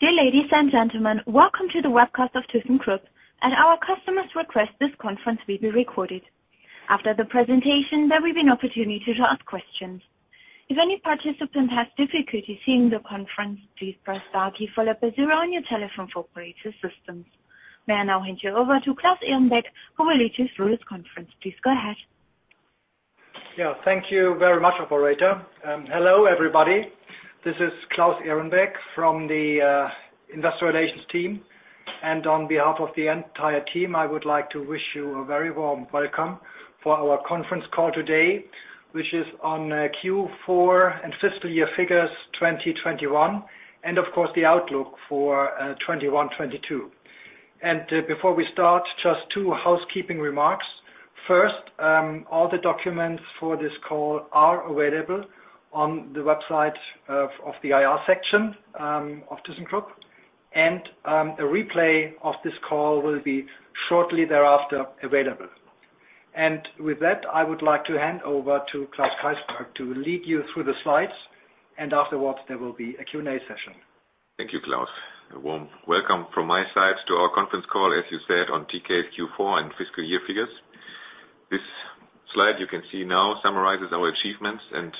Dear ladies and gentlemen, welcome to the webcast of thyssenkrupp. At our customer's request, this conference will be recorded. After the presentation, there will be an opportunity to ask questions. If any participant has difficulty seeing the conference, please press star key followed by zero on your telephone for operator assistance. May I now hand you over to Claus Ehrenbeck, who will lead you through this conference. Please go ahead. Yeah. Thank you very much, operator. Hello, everybody. This is Claus Ehrenbeck from the Investor Relations team. On behalf of the entire team, I would like to wish you a very warm welcome for our conference call today, which is on Q4 and fiscal year figures 2021 and of course, the outlook for 2021, 2022. Before we start, just two housekeeping remarks. First, all the documents for this call are available on the website of the IR section of thyssenkrupp. A replay of this call will be shortly thereafter available. With that, I would like to hand over to Klaus Keysberg to lead you through the slides. Afterwards, there will be a Q&A session. Thank you, Claus. A warm welcome from my side to our conference call, as you said on TK's Q4 and fiscal year figures. This slide you can see now summarizes our achievements and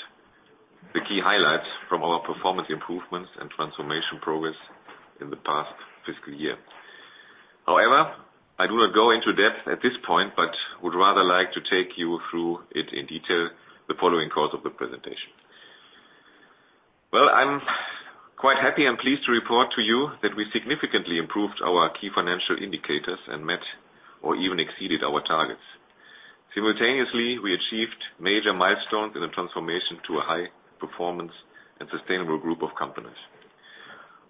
the key highlights from our performance improvements and transformation progress in the past fiscal year. However, I do not go into depth at this point, but would rather like to take you through it in detail the following course of the presentation. Well, I'm quite happy and pleased to report to you that we significantly improved our key financial indicators and met or even exceeded our targets. Simultaneously, we achieved major milestones in the transformation to a high performance and sustainable group of companies.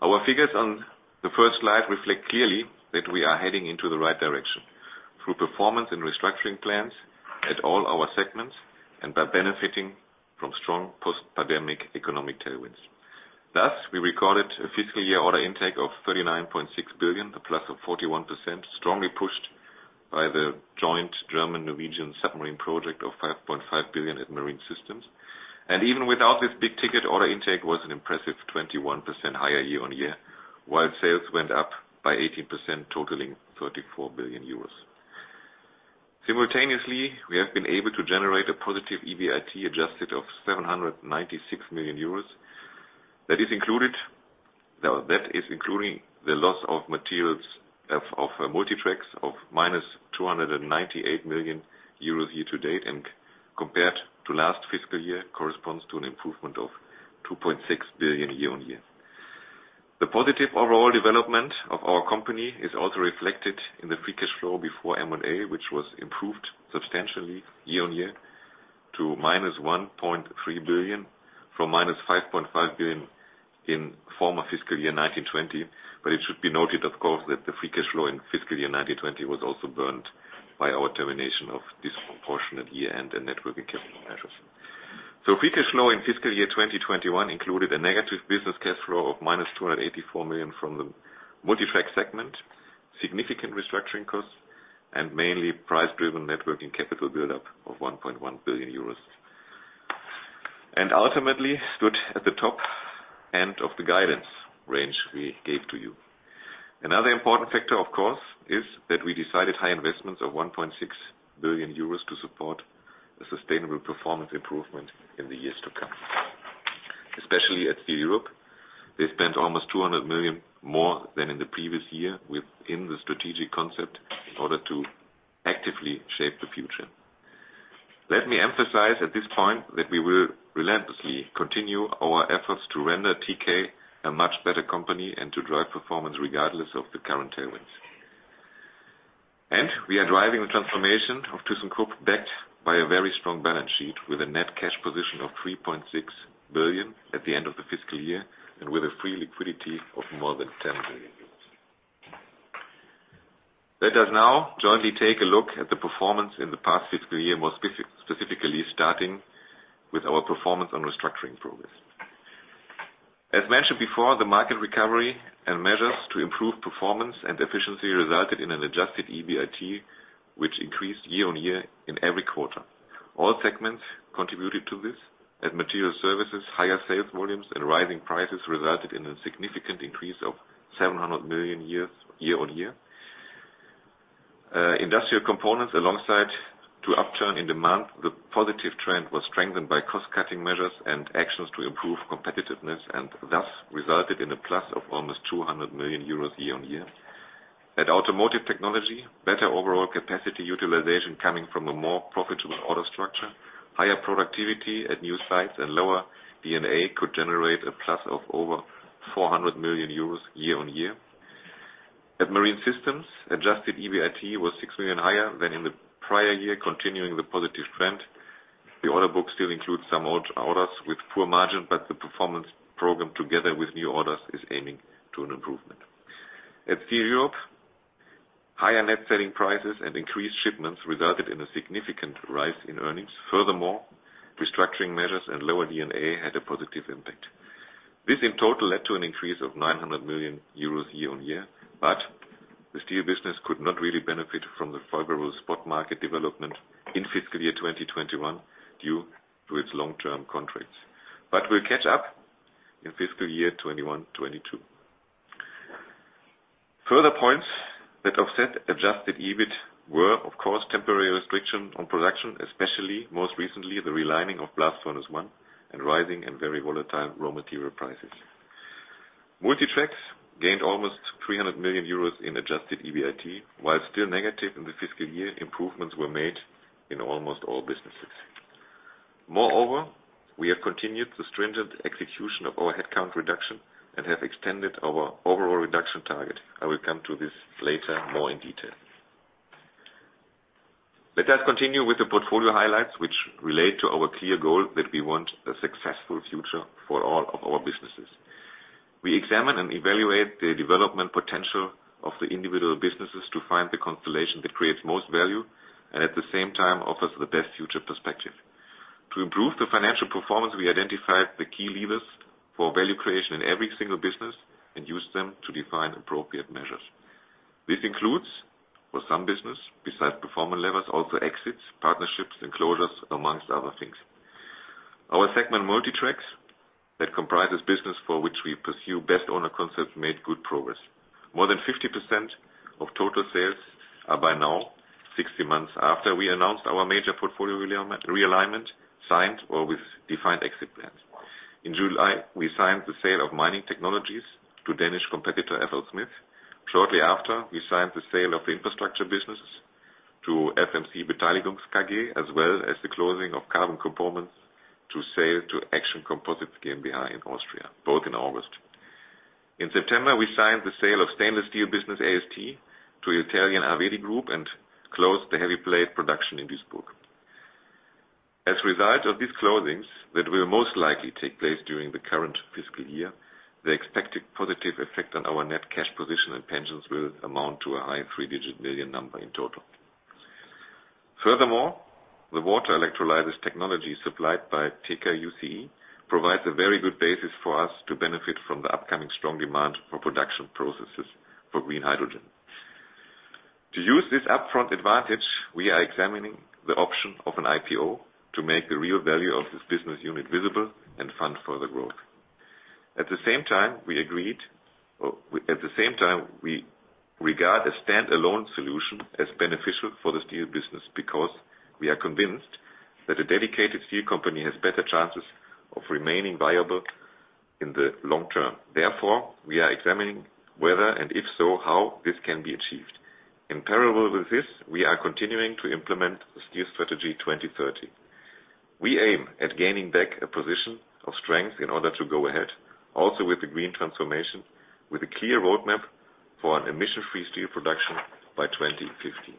Our figures on the first slide reflect clearly that we are heading into the right direction through performance and restructuring plans at all our segments and by benefiting from strong post-pandemic economic tailwinds. Thus, we recorded a fiscal year order intake of 39.6 billion, a plus of 41%, strongly pushed by the joint German-Norwegian submarine project of 5.5 billion at Marine Systems. Even without this big ticket, order intake was an impressive 21% higher year-on-year, while sales went up by 18%, totaling 34 billion euros. Simultaneously, we have been able to generate a positive Adjusted EBIT of 796 million euros. That is including the loss of materials of Multi Tracks of -298 million euros year to date, and compared to last fiscal year, corresponds to an improvement of 2.6 billion year-on-year. The positive overall development of our company is also reflected in the free cash flow before M&A, which was improved substantially year-on-year to -1.3 billion from -5.5 billion in former fiscal year 2019/20. It should be noted, of course, that the free cash flow in fiscal year 2019/20 was also burdened by our termination of disproportionate year-end and net working capital measures. Free cash flow in fiscal year 2021 included a negative business cash flow of -284 million from the Multi Tracks segment, significant restructuring costs and mainly price-driven net working capital buildup of EUR 1.1 billion. Ultimately, stood at the top end of the guidance range we gave to you. Another important factor, of course, is that we decided high investments of 1.6 billion euros to support the sustainable performance improvement in the years to come. Especially at Steel Europe, they spent almost 200 million more than in the previous year within the strategic concept in order to actively shape the future. Let me emphasize at this point that we will relentlessly continue our efforts to render TK a much better company and to drive performance regardless of the current tailwinds. We are driving the transformation of thyssenkrupp, backed by a very strong balance sheet with a net cash position of 3.6 billion at the end of the fiscal year and with a free liquidity of more than 10 billion. Let us now jointly take a look at the performance in the past fiscal year, specifically starting with our performance and restructuring progress. As mentioned before, the market recovery and measures to improve performance and efficiency resulted in an Adjusted EBIT, which increased year-on-year in every quarter. All segments contributed to this. At Materials Services, higher sales volumes and rising prices resulted in a significant increase of 700 million year-on-year. Industrial Components alongside the upturn in demand, the positive trend was strengthened by cost-cutting measures and actions to improve competitiveness, and thus resulted in a plus of almost 200 million euros year-on-year. At Automotive Technology, better overall capacity utilization coming from a more profitable order structure, higher productivity at new sites and lower D&A could generate a plus of over 400 million euros year-on-year. At Marine Systems, Adjusted EBIT was 6 million higher than in the prior year, continuing the positive trend. The order book still includes some old orders with poor margin, but the performance program together with new orders is aiming to an improvement. At Steel Europe, higher net selling prices and increased shipments resulted in a significant rise in earnings. Furthermore, restructuring measures and lower D&A had a positive impact. This in total led to an increase of 900 million euros year-on-year, but the steel business could not really benefit from the favorable spot market development in fiscal year 2021 due to its long-term contracts, but will catch up in fiscal year 2021-2022. Further points that offset Adjusted EBIT were, of course, temporary restriction on production, especially most recently, the relining of Blast Furnace 1 and rising and very volatile raw material prices. Multi Tracks gained almost 300 million euros in Adjusted EBIT, while still negative in the fiscal year, improvements were made in almost all businesses. Moreover, we have continued the stringent execution of our headcount reduction and have extended our overall reduction target. I will come to this later more in detail. Let us continue with the portfolio highlights which relate to our clear goal that we want a successful future for all of our businesses. We examine and evaluate the development potential of the individual businesses to find the constellation that creates most value and at the same time offers the best future perspective. To improve the financial performance, we identified the key levers for value creation in every single business and use them to define appropriate measures. This includes, for some business, besides performance levels, also exits, partnerships, and closures, among other things. Our segment, Multi Tracks, that comprises business for which we pursue best owner concepts, made good progress. More than 50% of total sales are, by now 60 months after we announced our major portfolio realignment, signed or with defined exit plans. In July, we signed the sale of mining technologies to Danish competitor FLSmidth. Shortly after, we signed the sale of infrastructure business to FMC Beteiligungs KG, as well as the closing of carbon components to sale to Action Composites GmbH in Austria, both in August. In September, we signed the sale of stainless steel business, AST, to Italian Arvedi Group and closed the heavy plate production in Duisburg. As a result of these closings, that will most likely take place during the current fiscal year, the expected positive effect on our net cash position and pensions will amount to a high three-digit million EUR in total. Furthermore, the water electrolysis technology supplied by thyssenkrupp Uhde Chlorine Engineers provides a very good basis for us to benefit from the upcoming strong demand for production processes for green hydrogen. To use this upfront advantage, we are examining the option of an IPO to make the real value of this business unit visible and fund further growth. At the same time, we regard a stand-alone solution as beneficial for the steel business because we are convinced that a dedicated steel company has better chances of remaining viable in the long term. Therefore, we are examining whether, and if so, how this can be achieved. In parallel with this, we are continuing to implement the Steel Strategy 2030. We aim at gaining back a position of strength in order to go ahead, also with the green transformation, with a clear roadmap for an emission-free steel production by 2050.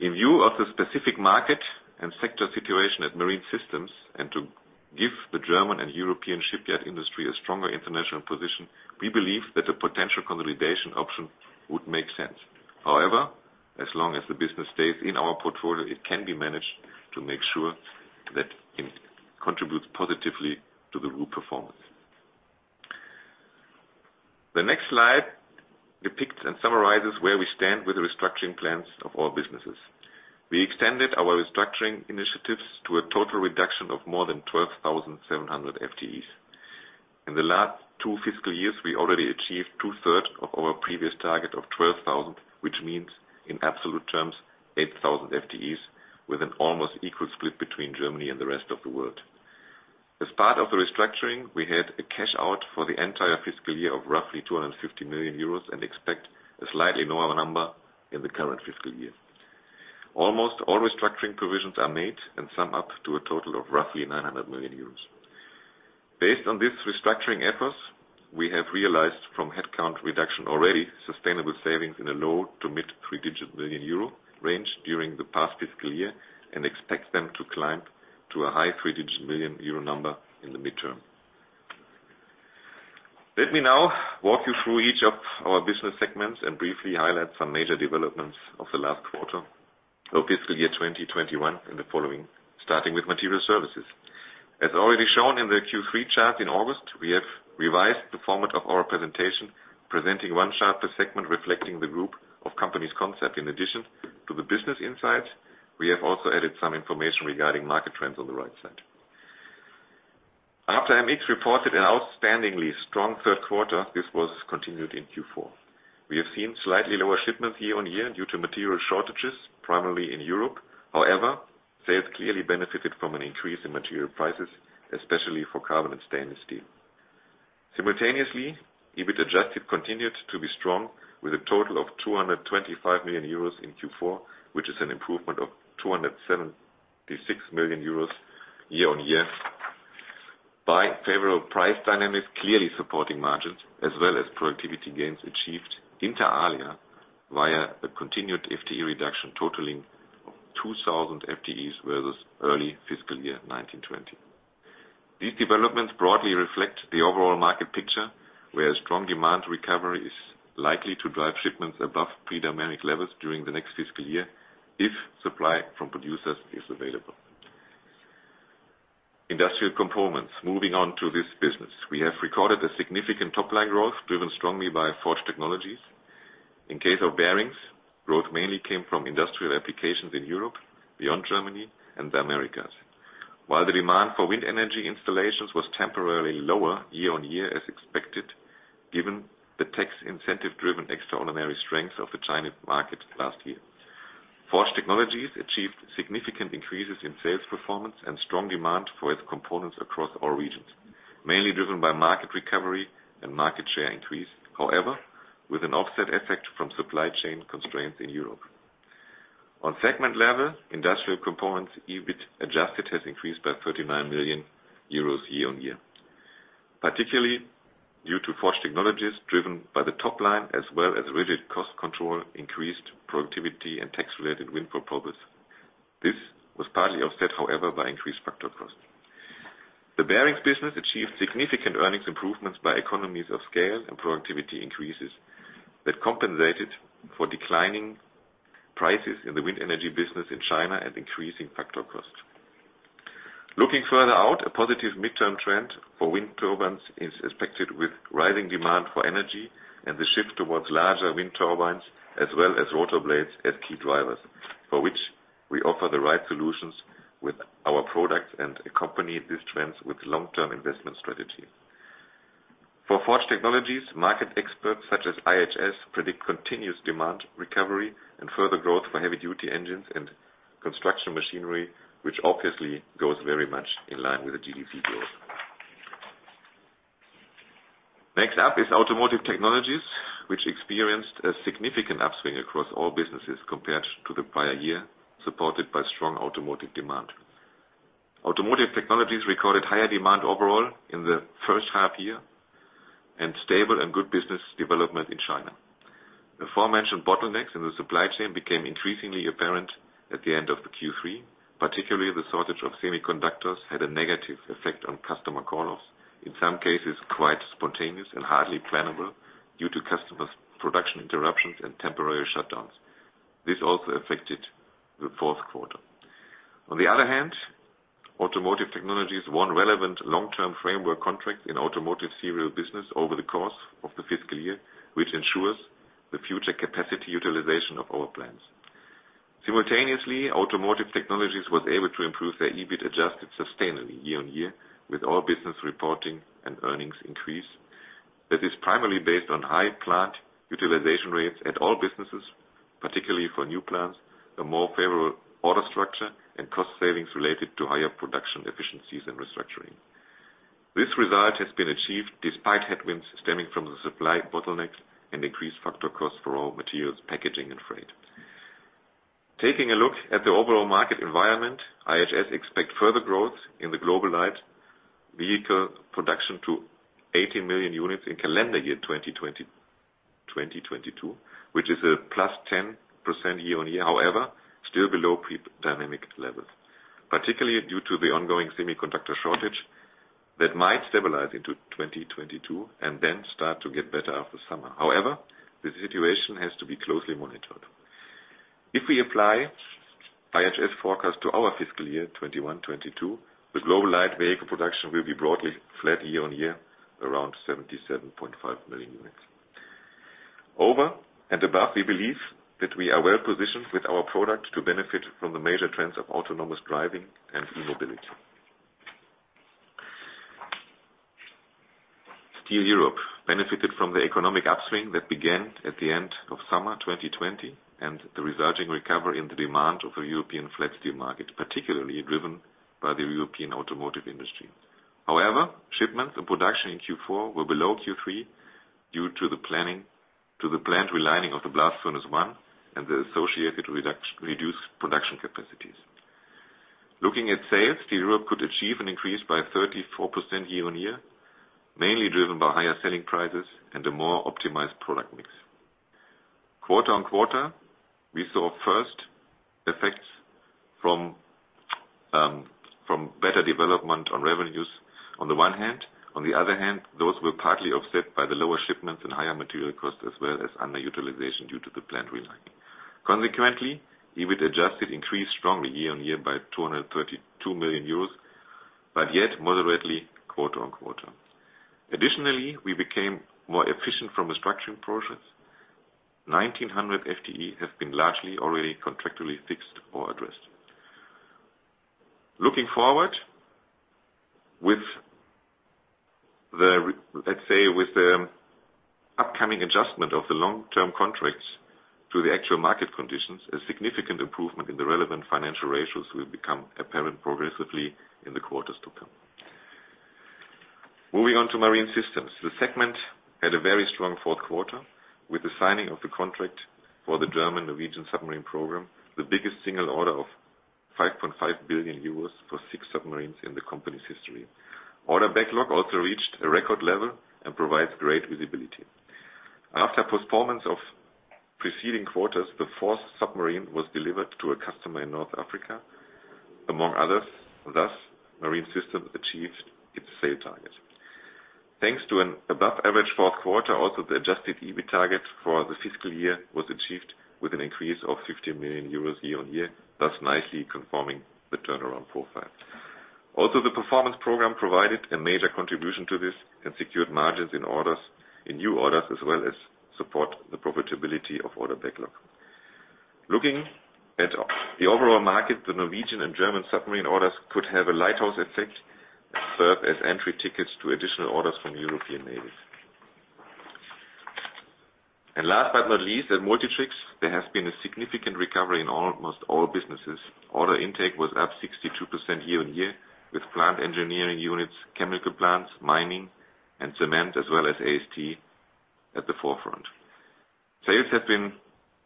In view of the specific market and sector situation at Marine Systems and to give the German and European shipyard industry a stronger international position, we believe that a potential consolidation option would make sense. However, as long as the business stays in our portfolio, it can be managed to make sure that it contributes positively to the group performance. The next slide depicts and summarizes where we stand with the restructuring plans of all businesses. We extended our restructuring initiatives to a total reduction of more than 12,700 FTEs. In the last two fiscal years, we already achieved 2/3 of our previous target of 12,000, which means in absolute terms, 8,000 FTEs with an almost equal split between Germany and the rest of the world. As part of the restructuring, we had a cash out for the entire fiscal year of roughly 250 million euros and expect a slightly lower number in the current fiscal year. Almost all restructuring provisions are made and sum up to a total of roughly 900 million euros. Based on these restructuring efforts, we have realized from headcount reduction already sustainable savings in a low to mid three-digit million euro range during the past fiscal year and expect them to climb to a high three-digit million euro number in the midterm. Let me now walk you through each of our business segments and briefly highlight some major developments of the last quarter of fiscal year 2021 in the following, starting with Materials Services. As already shown in the Q3 chart in August, we have revised the format of our presentation, presenting one chart per segment, reflecting the group of companies concept. In addition to the business insights, we have also added some information regarding market trends on the right side. After Materials Services reported an outstandingly strong third quarter, this was continued in Q4. We have seen slightly lower shipments year-on-year due to material shortages, primarily in Europe. However, sales clearly benefited from an increase in material prices, especially for carbon and stainless steel. Simultaneously, Adjusted EBIT continued to be strong with a total of 225 million euros in Q4, which is an improvement of 276 million euros year-on-year, driven by favorable price dynamics clearly supporting margins as well as productivity gains achieved inter alia via a continued FTE reduction totaling 2,000 FTEs versus early fiscal year 2019-2020. These developments broadly reflect the overall market picture, where strong demand recovery is likely to drive shipments above pre-pandemic levels during the next fiscal year if supply from producers is available. Industrial Components. Moving on to this business. We have recorded a significant top-line growth, driven strongly by Forged Technologies. In the case of Bearings, growth mainly came from industrial applications in Europe, beyond Germany and the Americas. While the demand for wind energy installations was temporarily lower year-on-year as expected, given the tax incentive driven extraordinary strength of the Chinese market last year. Forged Technologies achieved significant increases in sales performance and strong demand for its components across all regions, mainly driven by market recovery and market share increase, however, with an offset effect from supply chain constraints in Europe. On segment level, Industrial Components Adjusted EBIT has increased by 39 million euros year-on-year, particularly due to Forged Technologies driven by the top line as well as rigid cost control, increased productivity and tax-related windfall profits. This was partly offset, however, by increased factor costs. The Bearings business achieved significant earnings improvements by economies of scale and productivity increases that compensated for declining prices in the wind energy business in China and increasing factor costs. Looking further out, a positive midterm trend for wind turbines is expected with rising demand for energy and the shift towards larger wind turbines as well as rotor blades as key drivers, for which we offer the right solutions with our products and accompany these trends with long-term investment strategy. For Forged Technologies, market experts such as IHS predict continuous demand recovery and further growth for heavy duty engines and construction machinery, which obviously goes very much in line with the GDP growth. Next up is Automotive Technology, which experienced a significant upswing across all businesses compared to the prior year, supported by strong automotive demand. Automotive Technology recorded higher demand overall in the first half year and stable and good business development in China. The aforementioned bottlenecks in the supply chain became increasingly apparent at the end of the Q3. Particularly the shortage of semiconductors had a negative effect on customer call-offs, in some cases quite spontaneous and hardly plannable due to customers' production interruptions and temporary shutdowns. This also affected the fourth quarter. On the other hand, Automotive Technology won relevant long-term framework contracts in automotive serial business over the course of the fiscal year, which ensures the future capacity utilization of our plants. Simultaneously, Automotive Technology was able to improve their Adjusted EBIT sustainably year-on-year with all businesses reporting an earnings increase that is primarily based on high plant utilization rates at all businesses, particularly for new plants, a more favorable order structure and cost savings related to higher production efficiencies and restructuring. This result has been achieved despite headwinds stemming from the supply bottlenecks and increased factor costs for raw materials, packaging and freight. Taking a look at the overall market environment, IHS expect further growth in the global light vehicle production to 80 million units in calendar year 2022, which is +10% year-on-year. However, still below pre-pandemic levels, particularly due to the ongoing semiconductor shortage that might stabilize into 2022 and then start to get better after summer. However, the situation has to be closely monitored. If we apply IHS forecast to our fiscal year 2021, 2022, the global light vehicle production will be broadly flat year-on-year around 77.5 million units. Over and above, we believe that we are well-positioned with our products to benefit from the major trends of autonomous driving and e-mobility. Steel Europe benefited from the economic upswing that began at the end of summer 2020, and the resulting recovery in the demand of the European flat steel market, particularly driven by the European automotive industry. However, shipments and production in Q4 were below Q3 due to the planned relining of the Blast Furnace 1 and the associated reduced production capacities. Looking at sales, Steel Europe could achieve an increase by 34% year-on-year, mainly driven by higher selling prices and a more optimized product mix. Quarter-on-quarter, we saw first effects from better development on revenues on the one hand. On the other hand, those were partly offset by the lower shipments and higher material costs as well as underutilization due to the planned relining. Consequently, EBIT adjusted increased strongly year-on-year by 232 million euros, but yet moderately quarter-on-quarter. Additionally, we became more efficient from the structuring process. 1,900 FTE have been largely already contractually fixed or addressed. Looking forward, let's say, with the upcoming adjustment of the long-term contracts to the actual market conditions, a significant improvement in the relevant financial ratios will become apparent progressively in the quarters to come. Moving on to Marine Systems. The segment had a very strong fourth quarter with the signing of the contract for the German Norwegian submarine program, the biggest single order of 5.5 billion euros for six submarines in the company's history. Order backlog also reached a record level and provides great visibility. After performance of preceding quarters, the fourth submarine was delivered to a customer in North Africa, among others. Thus, Marine Systems achieved its sales target. Thanks to an above average fourth quarter, the Adjusted EBIT target for the fiscal year was achieved with an increase of 50 million euros year-on-year, thus nicely confirming the turnaround profile. The performance program provided a major contribution to this and secured margins in orders, in new orders, as well as support the profitability of order backlog. Looking at the overall market, the Norwegian and German submarine orders could have a lighthouse effect and serve as entry tickets to additional orders from European navies. Last but not least, at Multi Tracks, there has been a significant recovery in almost all businesses. Order intake was up 62% year-on-year, with plant engineering units, chemical plants, mining and cement, as well as AST at the forefront. Sales have been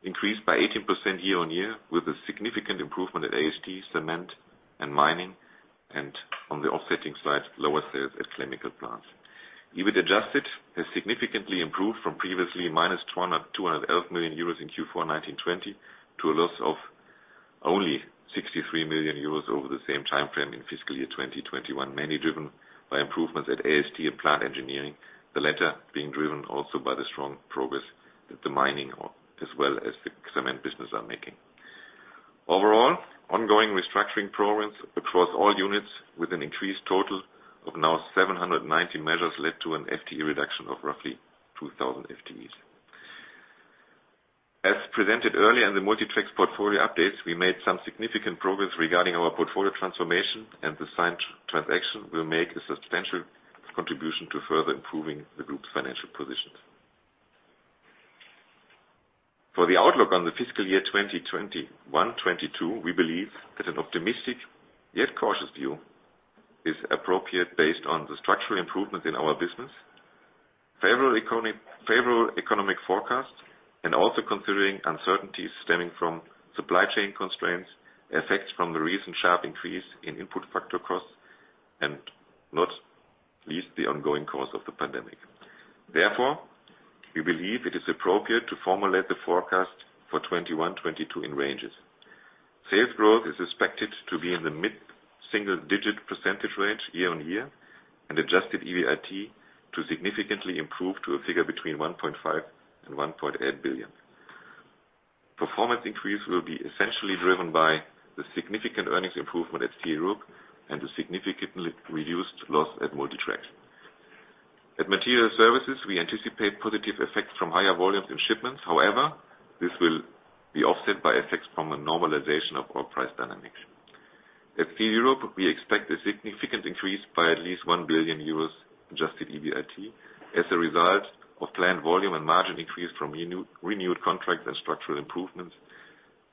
increased by 18% year-over-year, with a significant improvement at AST, cement and mining, and on the offsetting side, lower sales at chemical plants. Adjusted EBIT has significantly improved from previously -211 million euros in Q4 2019/20 to a loss of only 63 million euros over the same time frame in fiscal year 2021, mainly driven by improvements at AST and plant engineering, the latter being driven also by the strong progress that the mining, as well as the cement business are making. Overall, ongoing restructuring programs across all units with an increased total of now 790 measures led to an FTE reduction of roughly 2,000 FTEs. As presented earlier in the Multi Tracks portfolio updates, we made some significant progress regarding our portfolio transformation, and the signed transaction will make a substantial contribution to further improving the group's financial positions. For the outlook on the fiscal year 2021-2022, we believe that an optimistic yet cautious view is appropriate based on the structural improvements in our business, favorable economic forecast, and also considering uncertainties stemming from supply chain constraints, effects from the recent sharp increase in input factor costs, and not least, the ongoing course of the pandemic. Therefore, we believe it is appropriate to formulate the forecast for 2021-2022 in ranges. Sales growth is expected to be in the mid-single-digit % range year-on-year, and Adjusted EBIT to significantly improve to a figure between 1.5 billion and 1.8 billion. Performance increase will be essentially driven by the significant earnings improvement at Steel Europe and the significantly reduced loss at Multi Tracks. At Materials Services, we anticipate positive effects from higher volumes in shipments. However, this will be offset by effects from a normalization of our price dynamics. At Steel Europe, we expect a significant increase by at least 1 billion euros Adjusted EBIT as a result of planned volume and margin increase from renewed contracts and structural improvements.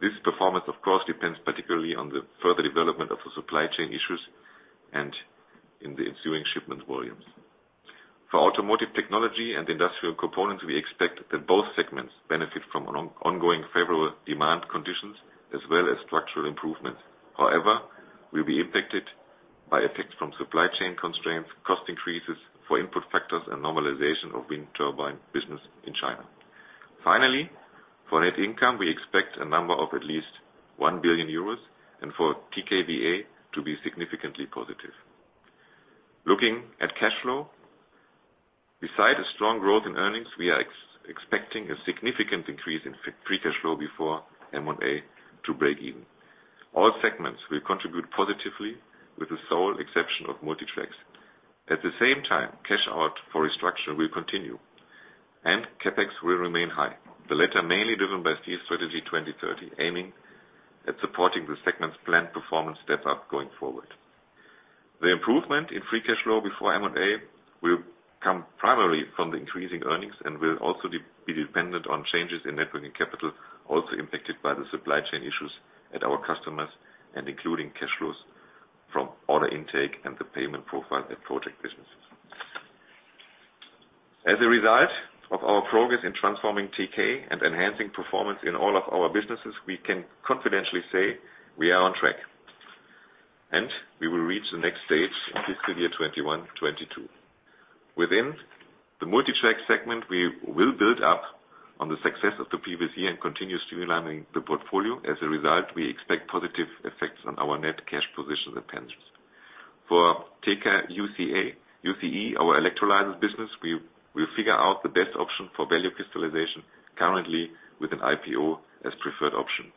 This performance, of course, depends particularly on the further development of the supply chain issues and the ensuing shipment volumes. For Automotive Technology and Industrial Components, we expect that both segments benefit from an ongoing favorable demand conditions as well as structural improvements. However, we'll be impacted by effects from supply chain constraints, cost increases for input factors, and normalization of wind turbine business in China. Finally, for net income, we expect a number of at least 1 billion euros and for tkVA to be significantly positive. Looking at cash flow, beside a strong growth in earnings, we are expecting a significant increase in free cash flow before M&A to break even. All segments will contribute positively, with the sole exception of Multi Tracks. At the same time, cash out for restructuring will continue and CapEx will remain high, the latter mainly driven by Steel Strategy 2030, aiming at supporting the segment's planned performance step-up going forward. The improvement in free cash flow before M&A will come primarily from the increasing earnings and will also be dependent on changes in net working capital, also impacted by the supply chain issues at our customers and including cash flows from order intake and the payment profile at project businesses. As a result of our progress in transforming TK and enhancing performance in all of our businesses, we can confidently say we are on track, and we will reach the next stage in fiscal year 2021, 2022. Within the Multi Tracks segment, we will build on the success of the previous year and continue streamlining the portfolio. As a result, we expect positive effects on our net cash position and pensions. For thyssenkrupp Uhde Chlorine Engineers, our electrolysis business, we figure out the best option for value crystallization, currently with an IPO as preferred option.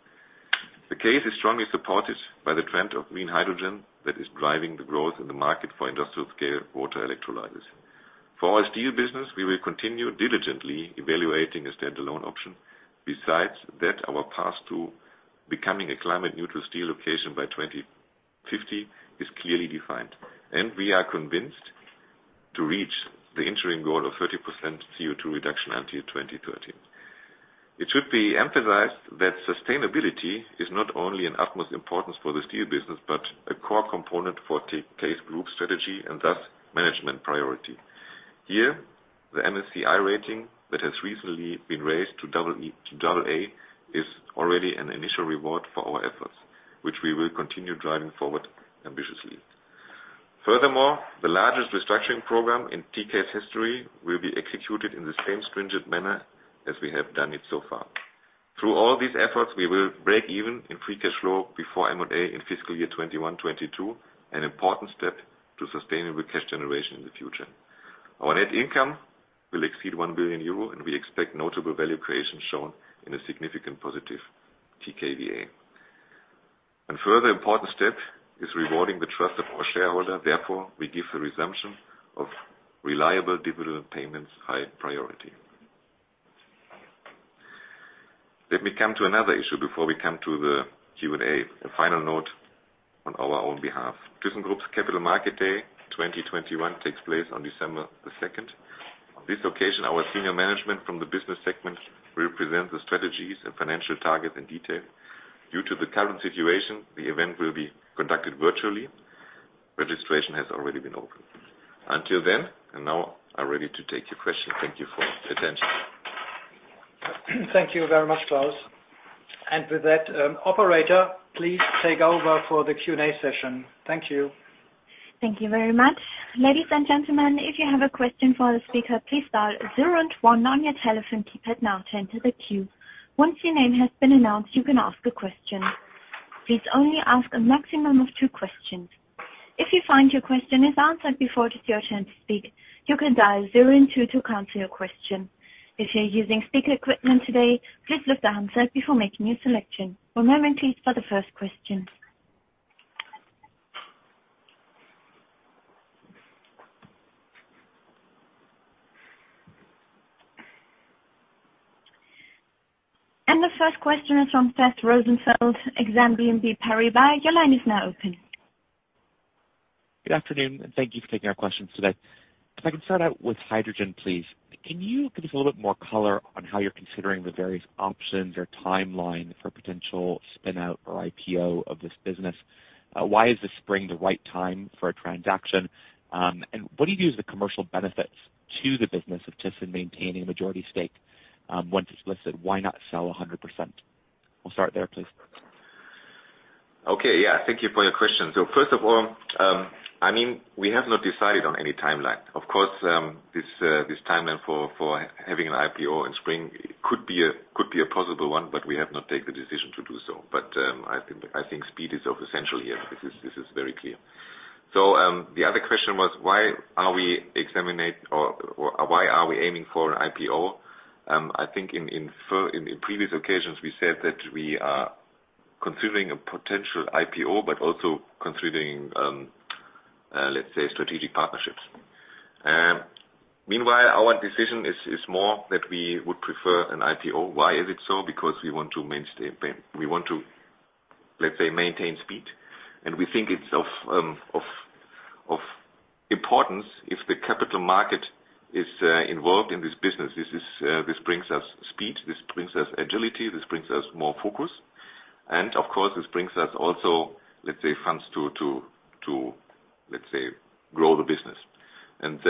The case is strongly supported by the trend of green hydrogen that is driving the growth in the market for industrial-scale water electrolysis. For our steel business, we will continue diligently evaluating a standalone option. Besides that, our path to becoming a climate neutral steel location by 2050 is clearly defined, and we are convinced to reach the interim goal of 30% CO2 reduction until 2030. It should be emphasized that sustainability is not only an utmost importance for the steel business, but a core component for TK's group strategy and, thus, management priority. Here, the MSCI rating that has recently been raised to double A is already an initial reward for our efforts, which we will continue driving forward ambitiously. Furthermore, the largest restructuring program in TK's history will be executed in the same stringent manner as we have done it so far. Through all these efforts, we will break even in free cash flow before M&A in fiscal year 2021, 2022, an important step to sustainable cash generation in the future. Our net income will exceed 1 billion euro, and we expect notable value creation shown in a significant positive tkVA. Further important step is rewarding the trust of our shareholder. Therefore, we give the resumption of reliable dividend payments high priority. Let me come to another issue before we come to the Q&A. A final note on our own behalf. thyssenkrupp's Capital Market Day 2021 takes place on December 2. On this occasion, our senior management from the business segment will present the strategies and financial targets in detail. Due to the current situation, the event will be conducted virtually. Registration has already been opened. Until then, and now I'm ready to take your questions. Thank you for your attention. Thank you very much, Klaus. With that, operator, please take over for the Q&A session. Thank you. Thank you very much. Ladies and gentlemen, if you have a question for the speaker, please dial zero and one on your telephone keypad now to enter the queue. Once your name has been announced, you can ask a question. Please only ask a maximum of two questions. If you find your question is answered before it is your turn to speak, you can dial zero and two to cancel your question. If you're using speaker equipment today, please lift the handset before making your selection. One moment, please, for the first question. The first question is from Seth Rosenfeld, Exane BNP Paribas. Your line is now open. Good afternoon, and thank you for taking our questions today. If I can start out with hydrogen, please. Can you give us a little bit more color on how you're considering the various options or timeline for potential spin out or IPO of this business? Why is the spring the right time for a transaction? And what do you view as the commercial benefits to the business of thyssenkrupp maintaining a majority stake, once it's listed? Why not sell 100%? We'll start there, please. Okay. Yeah. Thank you for your question. First of all, I mean, we have not decided on any timeline. Of course, this timeline for having an IPO in spring could be a possible one, but we have not take the decision to do so. I think speed is of the essence here. This is very clear. The other question was why are we examining or why are we aiming for an IPO? I think in the previous occasions, we said that we are considering a potential IPO, but also considering, let's say strategic partnerships. Meanwhile, our decision is more that we would prefer an IPO. Why is it so? Because we want to, let's say, maintain speed, and we think it's of importance if the capital market is involved in this business. This brings us speed, this brings us agility, this brings us more focus. Of course, this brings us also, let's say, funds to grow the business. These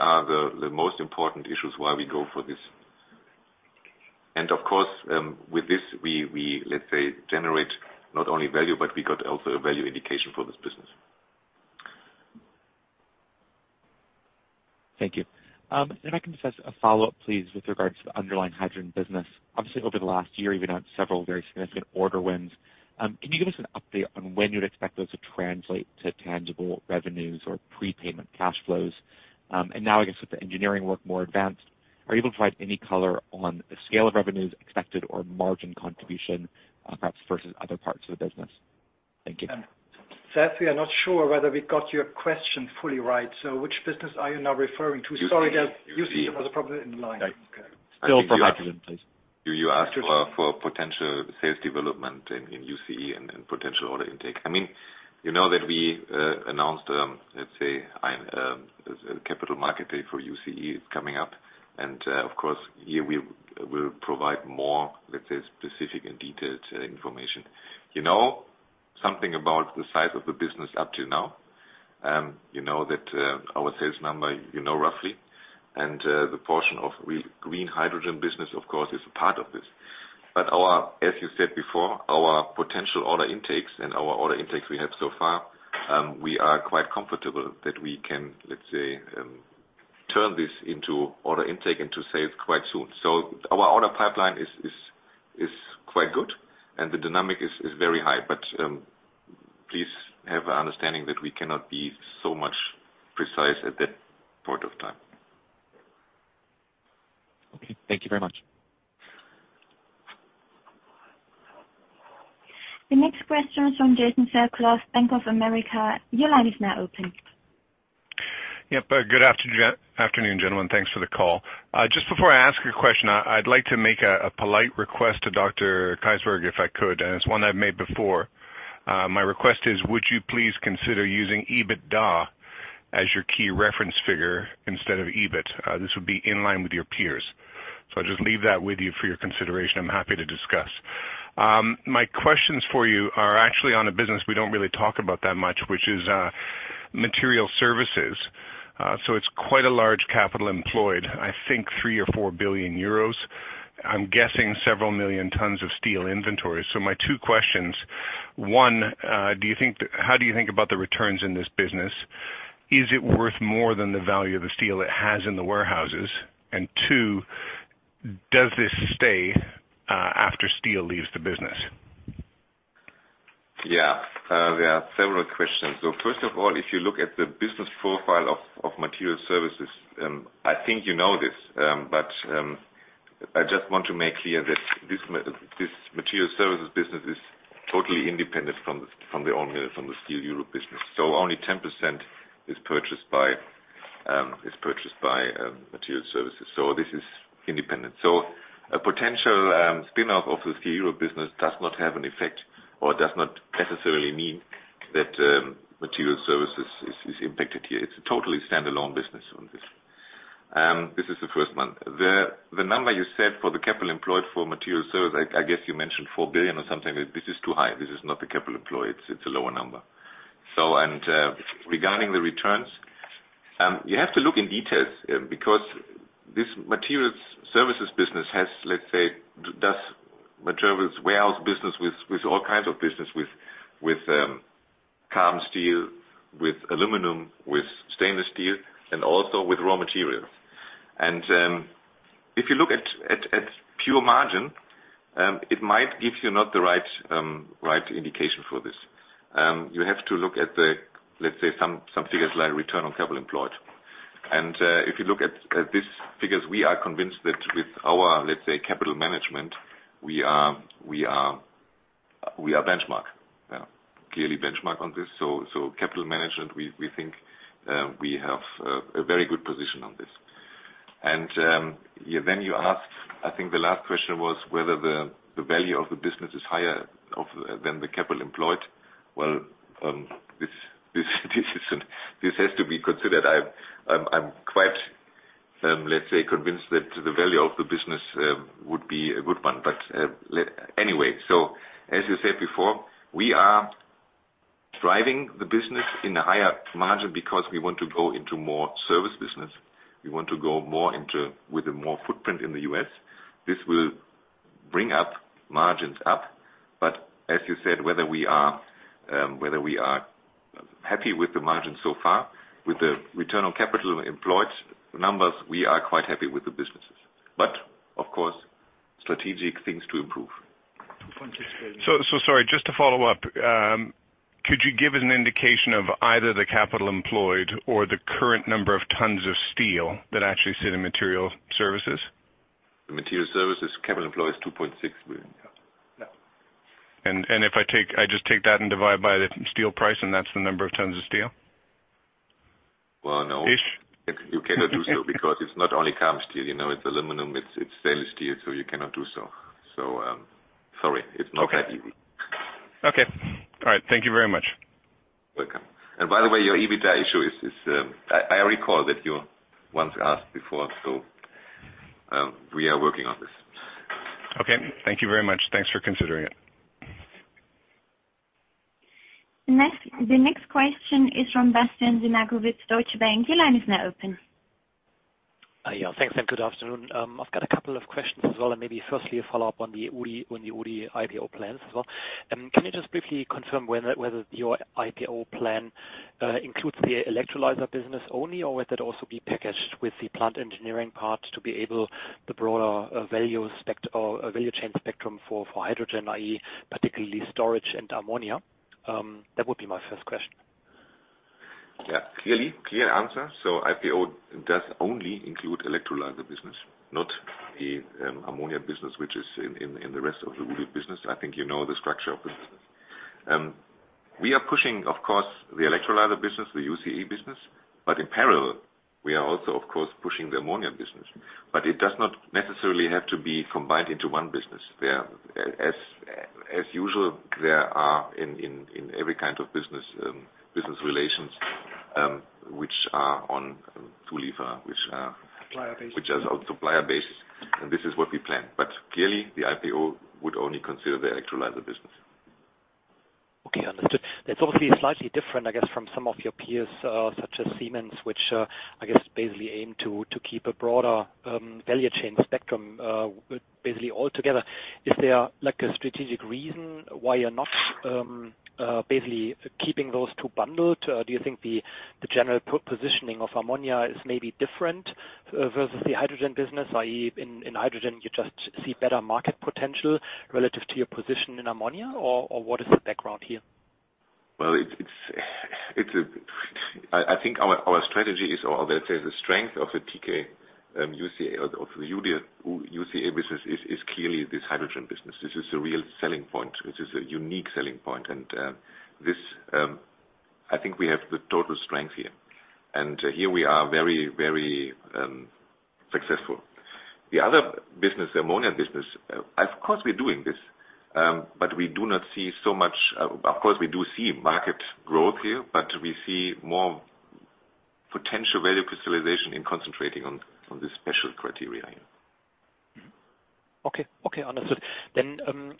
are the most important issues why we go for this. Of course, with this, we, let's say, generate not only value, but we got also a value indication for this business. Thank you. If I can just ask a follow-up, please, with regard to the underlying hydrogen business. Obviously, over the last year, you've announced several very significant order wins. Can you give us an update on when you'd expect those to translate to tangible revenues or prepayment cash flows? Now I guess with the engineering work more advanced, are you able to provide any color on the scale of revenues expected or margin contribution, perhaps versus other parts of the business? Thank you. Seth, we are not sure whether we got your question fully right. Which business are you now referring to? UCE. Sorry, there was a problem in the line. Okay. Still for hydrogen, please. You ask for potential sales development in UCE and potential order intake. I mean, you know that we announced, let's say, Capital Market Day for UCE is coming up. Of course, here we will provide more, let's say, specific and detailed information. You know something about the size of the business up to now. You know that our sales number you know roughly. The portion of green hydrogen business of course is a part of this. But our, as you said before, our potential order intakes and our order intakes we have so far, we are quite comfortable that we can, let's say, turn this into order intake and to sales quite soon. Our order pipeline is quite good and the dynamic is very high. Please have an understanding that we cannot be so much precise at that point of time. Okay. Thank you very much. The next question is from Jason Fairclough, Bank of America. Your line is now open. Yep. Good afternoon, gentlemen. Thanks for the call. Just before I ask a question, I'd like to make a polite request to Dr. Keysberg, if I could, and it's one I've made before. My request is, would you please consider using EBITDA as your key reference figure instead of EBIT? This would be in line with your peers. I'll just leave that with you for your consideration. I'm happy to discuss. My questions for you are actually on a business we don't really talk about that much, which is Materials Services. It's quite a large capital employed, I think 3 billion or 4 billion euros. I'm guessing several million tons of steel inventory. My two questions. One, how do you think about the returns in this business? Is it worth more than the value of the steel it has in the warehouses? Two, does this stay after steel leaves the business? Yeah. There are several questions. First of all, if you look at the business profile of Materials Services, I think you know this, but I just want to make clear that this Materials Services business is totally independent from the old mill, from the Steel Europe business. Only 10% is purchased by Materials Services. This is independent. A potential spin-off of the Steel Europe business does not have an effect or does not necessarily mean that Materials Services is impacted here. It's a totally standalone business on this. This is the first one. The number you said for the capital employed for Materials Services, I guess you mentioned 4 billion or something. This is too high. This is not the capital employed. It's a lower number. Regarding the returns, you have to look in details because this Materials Services business has, let's say, a materials warehouse business with all kinds of business with carbon steel, with aluminum, with stainless steel and also with raw materials. If you look at pure margin, it might give you not the right indication for this. You have to look at the, let's say, some figures like Return on Capital Employed. If you look at these figures, we are convinced that with our, let's say, capital management, we are benchmark. Yeah. Clearly benchmark on this. Capital management, we think, we have a very good position on this. Yeah, then you asked, I think the last question was whether the value of the business is higher than the capital employed. Well, this has to be considered. I'm quite, let's say convinced that the value of the business would be a good one. Anyway, as you said before, we are driving the business in a higher margin because we want to go into more service business. We want to go more into with a more footprint in the U.S. This will bring margins up. As you said, whether we are happy with the margins so far, with the Return on Capital Employed numbers, we are quite happy with the businesses. Of course, strategic things to improve. Sorry, just to follow up, could you give an indication of either the capital employed or the current number of tons of steel that actually sit in Materials Services? The Materials Services capital employed is 2.6 billion. Yeah. If I just take that and divide by the steel price, and that's the number of tons of steel? Well, no. Ish. You cannot do so because it's not only carbon steel, you know. It's aluminum, it's stainless steel, so you cannot do so. Sorry, it's not that easy. Okay. All right. Thank you very much. Welcome. By the way, your EBITDA issue is, I recall that you once asked before, so we are working on this. Okay. Thank you very much. Thanks for considering it. The next question is from Bastian Synagowitz, Deutsche Bank. Your line is now open. Yeah, thanks and good afternoon. I've got a couple of questions as well, and maybe firstly a follow-up on the Uhde IPO plans as well. Can you just briefly confirm whether your IPO plan includes the electrolyzer business only, or would that also be packaged with the plant engineering part to be able the broader value chain spectrum for hydrogen, i.e., particularly storage and ammonia? That would be my first question. Yeah. Clear answer. IPO does only include the electrolyzer business, not the ammonia business, which is in the rest of the Uhde business. I think you know the structure of the business. We are pushing, of course, the electrolyzer business, the UCE business. But in parallel, we are also, of course, pushing the ammonia business. But it does not necessarily have to be combined into one business. There, as usual, there are, in every kind of business relations, which are on two levels, which are. Supplier basis. Which are on supplier basis. This is what we plan. Clearly the IPO would only consider the electrolyzer business. Okay, understood. That's obviously slightly different, I guess, from some of your peers, such as Siemens, which, I guess basically aim to keep a broader value chain spectrum, basically all together. Is there, like, a strategic reason why you're not basically keeping those two bundled? Do you think the general positioning of ammonia is maybe different versus the hydrogen business, i.e., in hydrogen you just see better market potential relative to your position in ammonia or what is the background here? Well, I think our strategy is, or let's say the strength of the thyssenkrupp Uhde Chlorine Engineers business is clearly this hydrogen business. This is the real selling point. This is a unique selling point. This, I think we have the total strength here. Here we are very successful. The other business, the ammonia business, of course we're doing this. We do not see so much, of course we do see market growth here, but we see more potential value crystallization in concentrating on the special criteria here. Okay, understood.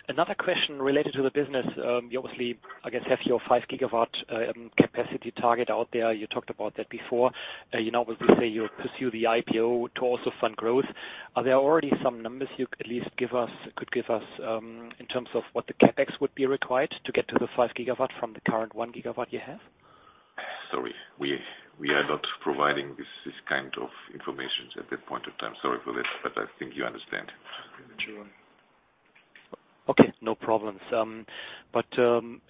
Another question related to the business. You obviously, I guess, have your 5 GW capacity target out there. You talked about that before. You now say you pursue the IPO to also fund growth. Are there already some numbers you could at least give us in terms of what the CapEx would be required to get to the 5 GW from the current 1 GW you have? Sorry, we are not providing this kind of information at that point of time. Sorry for this, but I think you understand. Sure. Okay, no problems.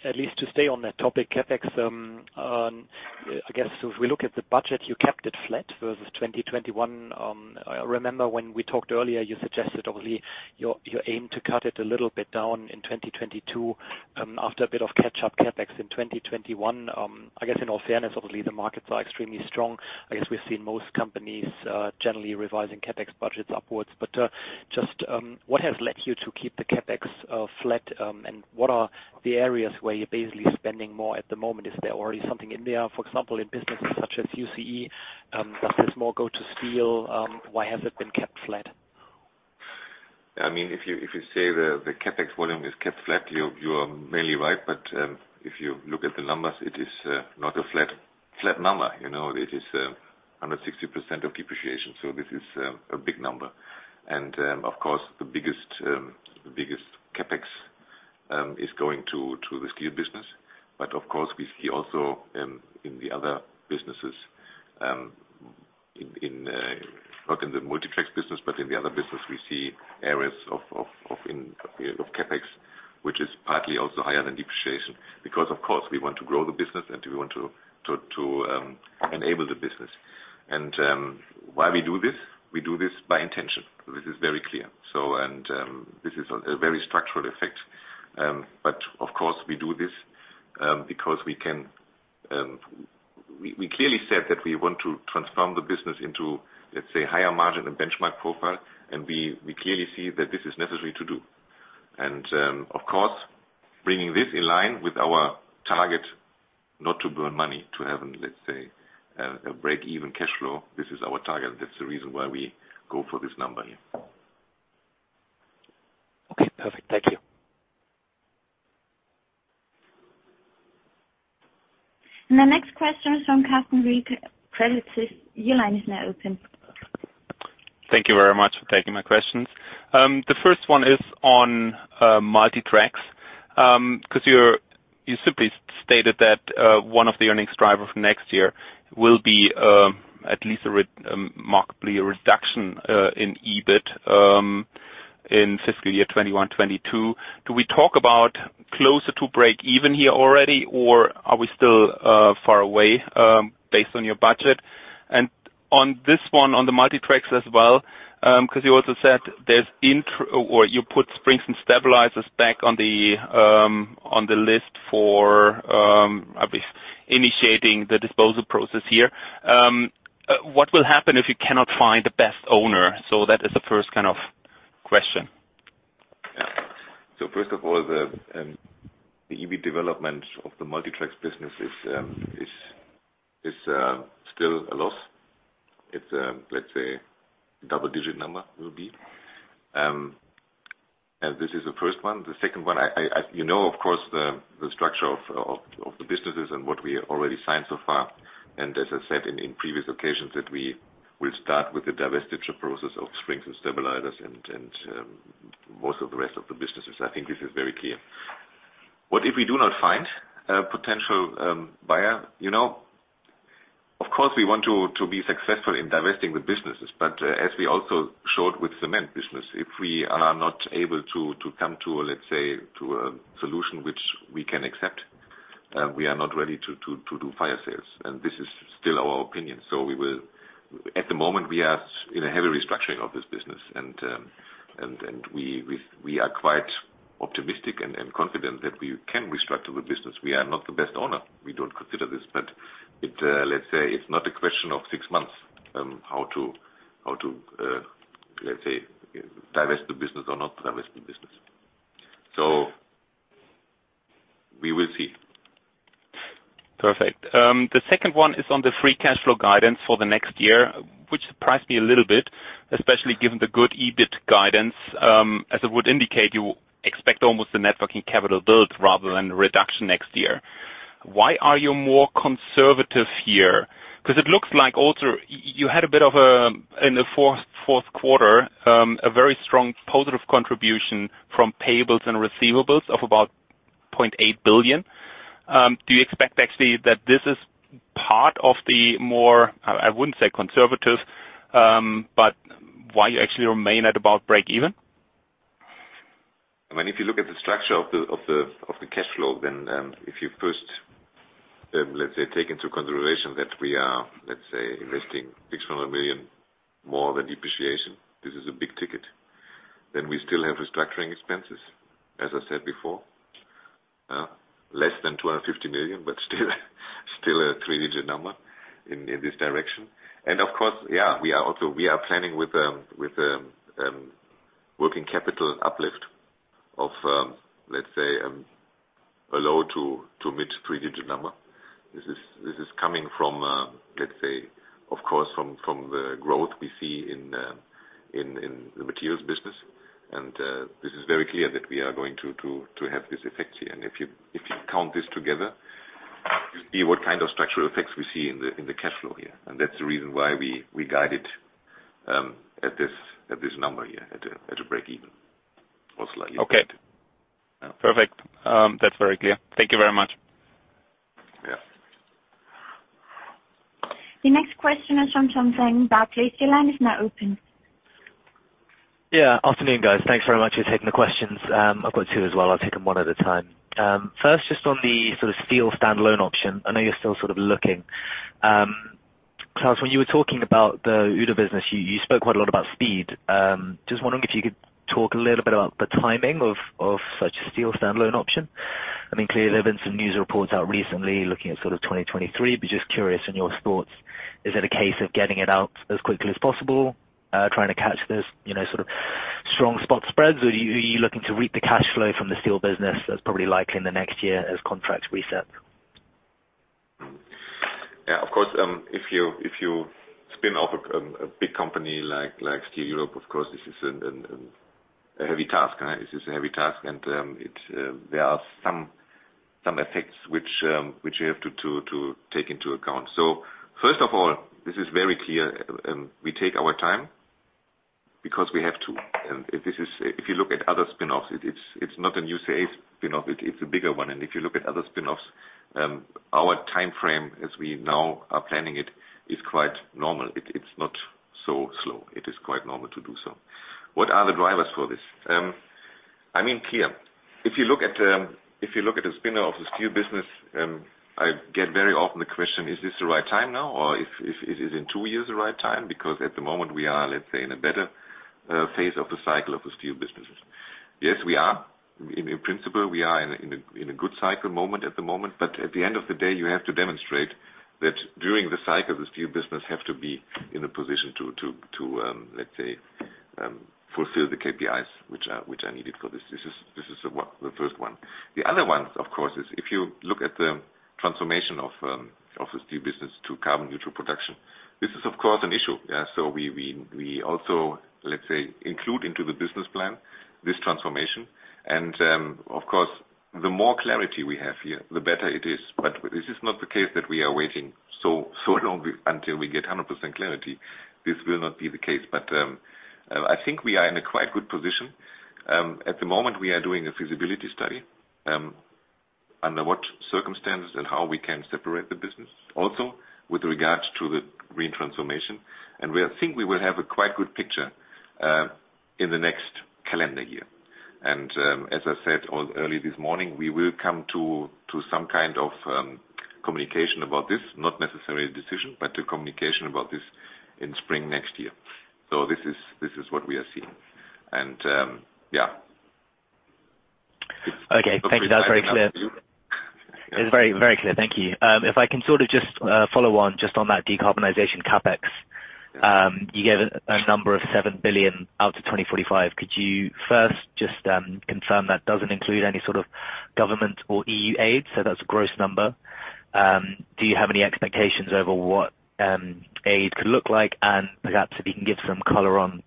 At least to stay on that topic, CapEx. I guess if we look at the budget, you kept it flat versus 2021. I remember when we talked earlier, you suggested, obviously, you aim to cut it a little bit down in 2022, after a bit of catch-up CapEx in 2021. I guess in all fairness, obviously, the markets are extremely strong. I guess we've seen most companies generally revising CapEx budgets upwards. What has led you to keep the CapEx flat, and what are the areas where you're basically spending more at the moment? Is there already something in there, for example, in businesses such as UCE? Does this more go to steel? Why has it been kept flat? I mean, if you say the CapEx volume is kept flat, you are mainly right. If you look at the numbers, it is not a flat number. You know, it is 160% of depreciation, so this is a big number. Of course, the biggest CapEx is going to the steel business. Of course, we see also in the other businesses, not in the Multi Tracks business, but in the other business, we see areas of CapEx, which is partly also higher than depreciation. Because of course, we want to grow the business and we want to enable the business. Why we do this? We do this by intention. This is very clear. This is a very structural effect. Of course, we do this because we can. We clearly said that we want to transform the business into, let's say, higher margin and benchmark profile, and we clearly see that this is necessary to do. Of course, bringing this in line with our target not to burn money, to have, let's say, a break-even cash flow, this is our target. That's the reason why we go for this number here. Okay, perfect. Thank you. The next question is from Carsten Riek, Credit Suisse. Your line is now open. Thank you very much for taking my questions. The first one is on Multi Tracks. 'Cause you simply stated that one of the earnings driver for next year will be at least a marked reduction in EBIT in fiscal year 2021, 2022. Do we talk about closer to break even here already, or are we still far away based on your budget? On this one, on the Multi Tracks as well, 'cause you also said or you put Springs & Stabilizers back on the list for initiating the disposal process here. What will happen if you cannot find the best owner? That is the first kind of question. Yeah. First of all, the EBIT development of the Multi Tracks business is still a loss. It's let's say double-digit number it will be. And this is the first one. The second one, I you know of course the structure of the businesses and what we already signed so far. As I said in previous occasions, we will start with the divestiture process of Springs & Stabilizers and most of the rest of the businesses. I think this is very clear. What if we do not find a potential buyer? You know, of course we want to be successful in divesting the businesses, but as we also showed with cement business, if we are not able to come to a, let's say, to a solution which we can accept, we are not ready to do fire sales. This is still our opinion. At the moment, we are in a heavy restructuring of this business and we are quite optimistic and confident that we can restructure the business. We are not the best owner. We don't consider this, but it, let's say, it's not a question of 6 months, how to divest the business or not divest the business. We will see. Perfect. The second one is on the free cash flow guidance for the next year, which surprised me a little bit, especially given the good EBIT guidance, as it would indicate you expect almost the net working capital build rather than a reduction next year. Why are you more conservative here? Because it looks like also you had a bit of, in the fourth quarter, a very strong positive contribution from payables and receivables of about 0.8 billion. Do you expect actually that this is part of the more, I wouldn't say conservative, but why you actually remain at about break even? I mean, if you look at the structure of the cash flow, then, if you first, let's say, take into consideration that we are, let's say, investing 600 million more than depreciation, this is a big ticket. We still have restructuring expenses, as I said before, less than 250 million, but still a three-digit number in this direction. Of course, yeah, we are also planning with working capital uplift of, let's say, a low- to mid-three-digit number. This is coming from, let's say, of course, from the growth we see in the materials business. This is very clear that we are going to have this effect here. If you count this together, you see what kind of structural effects we see in the cash flow here. That's the reason why we guide it at this number here, at a break even or slightly better. Perfect. That's very clear. Thank you very much. Yeah. The next question is from Rochus Brauneiser. Your line is now open. Yeah. Afternoon, guys. Thanks very much for taking the questions. I've got two as well. I'll take them one at a time. First, just on the sort of steel standalone option. I know you're still sort of looking. Klaus, when you were talking about the Uhde business, you spoke quite a lot about speed. Just wondering if you could talk a little bit about the timing of such a steel standalone option. I mean, clearly, there have been some news reports out recently looking at sort of 2023. Just curious on your thoughts. Is it a case of getting it out as quickly as possible, trying to catch this, you know, sort of strong spot spreads? Or you looking to reap the cash flow from the steel business that's probably likely in the next year as contracts reset? Yeah, of course. If you spin off a big company like Steel Europe, of course, this is a heavy task. This is a heavy task, and there are some effects which you have to take into account. First of all, this is very clear. We take our time because we have to. This is, if you look at other spinoffs, it's not a new, say, spinoff. It's a bigger one. If you look at other spinoffs, our timeframe as we now are planning it, is quite normal. It's not so slow. It is quite normal to do so. What are the drivers for this? I mean, clear. If you look at the spinoff of the steel business, I get very often the question, is this the right time now, or if it is in two years the right time? Because at the moment we are, let's say, in a better phase of the cycle of the steel businesses. Yes, we are. In principle, we are in a good cycle moment at the moment, but at the end of the day, you have to demonstrate that during the cycle, the steel business have to be in a position to, let's say, fulfill the KPIs which are needed for this. This is the first one. The other one, of course, is if you look at the transformation of the steel business to carbon neutral production, this is of course an issue. We also, let's say, include into the business plan this transformation. Of course, the more clarity we have here, the better it is. This is not the case that we are waiting so long until we get 100% clarity. This will not be the case. I think we are in a quite good position. At the moment we are doing a feasibility study, under what circumstances and how we can separate the business, also with regards to the green transformation. We think we will have a quite good picture, in the next calendar year. As I said a little early this morning, we will come to some kind of communication about this. Not necessarily a decision, but a communication about this in spring next year. This is what we are seeing. Yeah. Okay. Thank you. That's very clear. Is that clear enough for you? It's very, very clear. Thank you. If I can sort of just follow on just on that decarbonization CapEx, you gave a number of 7 billion out to 2045. Could you first just confirm that doesn't include any sort of government or EU aid, so that's a gross number. Do you have any expectations over what aid could look like? Perhaps if you can give some color on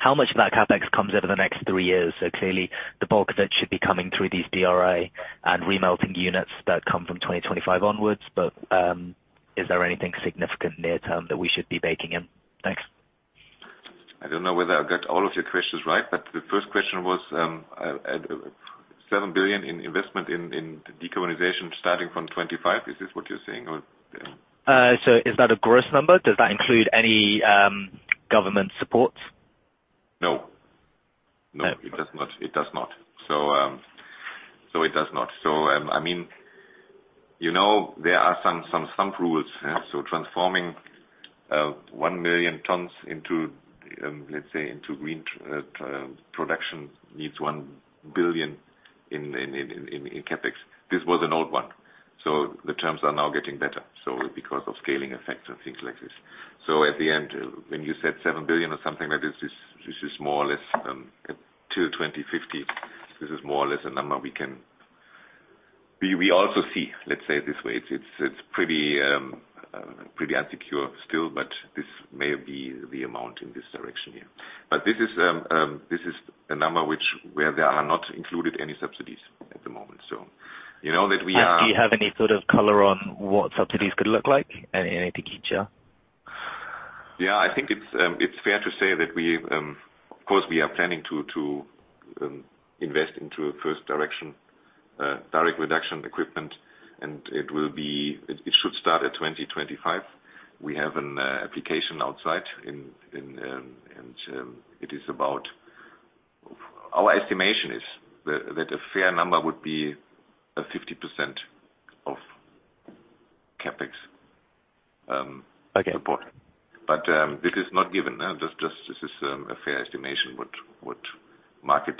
how much of that CapEx comes over the next three years. Clearly the bulk of it should be coming through these DRI and remelting units that come from 2025 onwards. Is there anything significant near term that we should be baking in? Thanks. I don't know whether I've got all of your questions right, but the first question was 7 billion in investment in decarbonization starting from 2025. Is this what you're saying or? Is that a gross number? Does that include any government support? No. No. It does not. It does not. I mean, you know, there are some rules. Transforming 1 million tons into, let's say, into green production needs 1 billion in CapEx. This was an old one. The terms are now getting better, because of scaling effects and things like this. At the end, when you said 7 billion or something like this is more or less till 2050, this is more or less a number we can. We also see, let's say it this way, it's pretty insecure still, but this may be the amount in this direction, yeah. This is a number which where there are not included any subsidies at the moment. So you know that we are. Do you have any sort of color on what subsidies could look like, any indication? Yeah, I think it's fair to say that we, of course, we are planning to invest in a first direct reduction equipment, and it will be. It should start at 2025. We have an application outstanding, and it is about. Our estimation is that a fair number would be 50% of CapEx. Okay. Support. This is not given. Just this is a fair estimation what market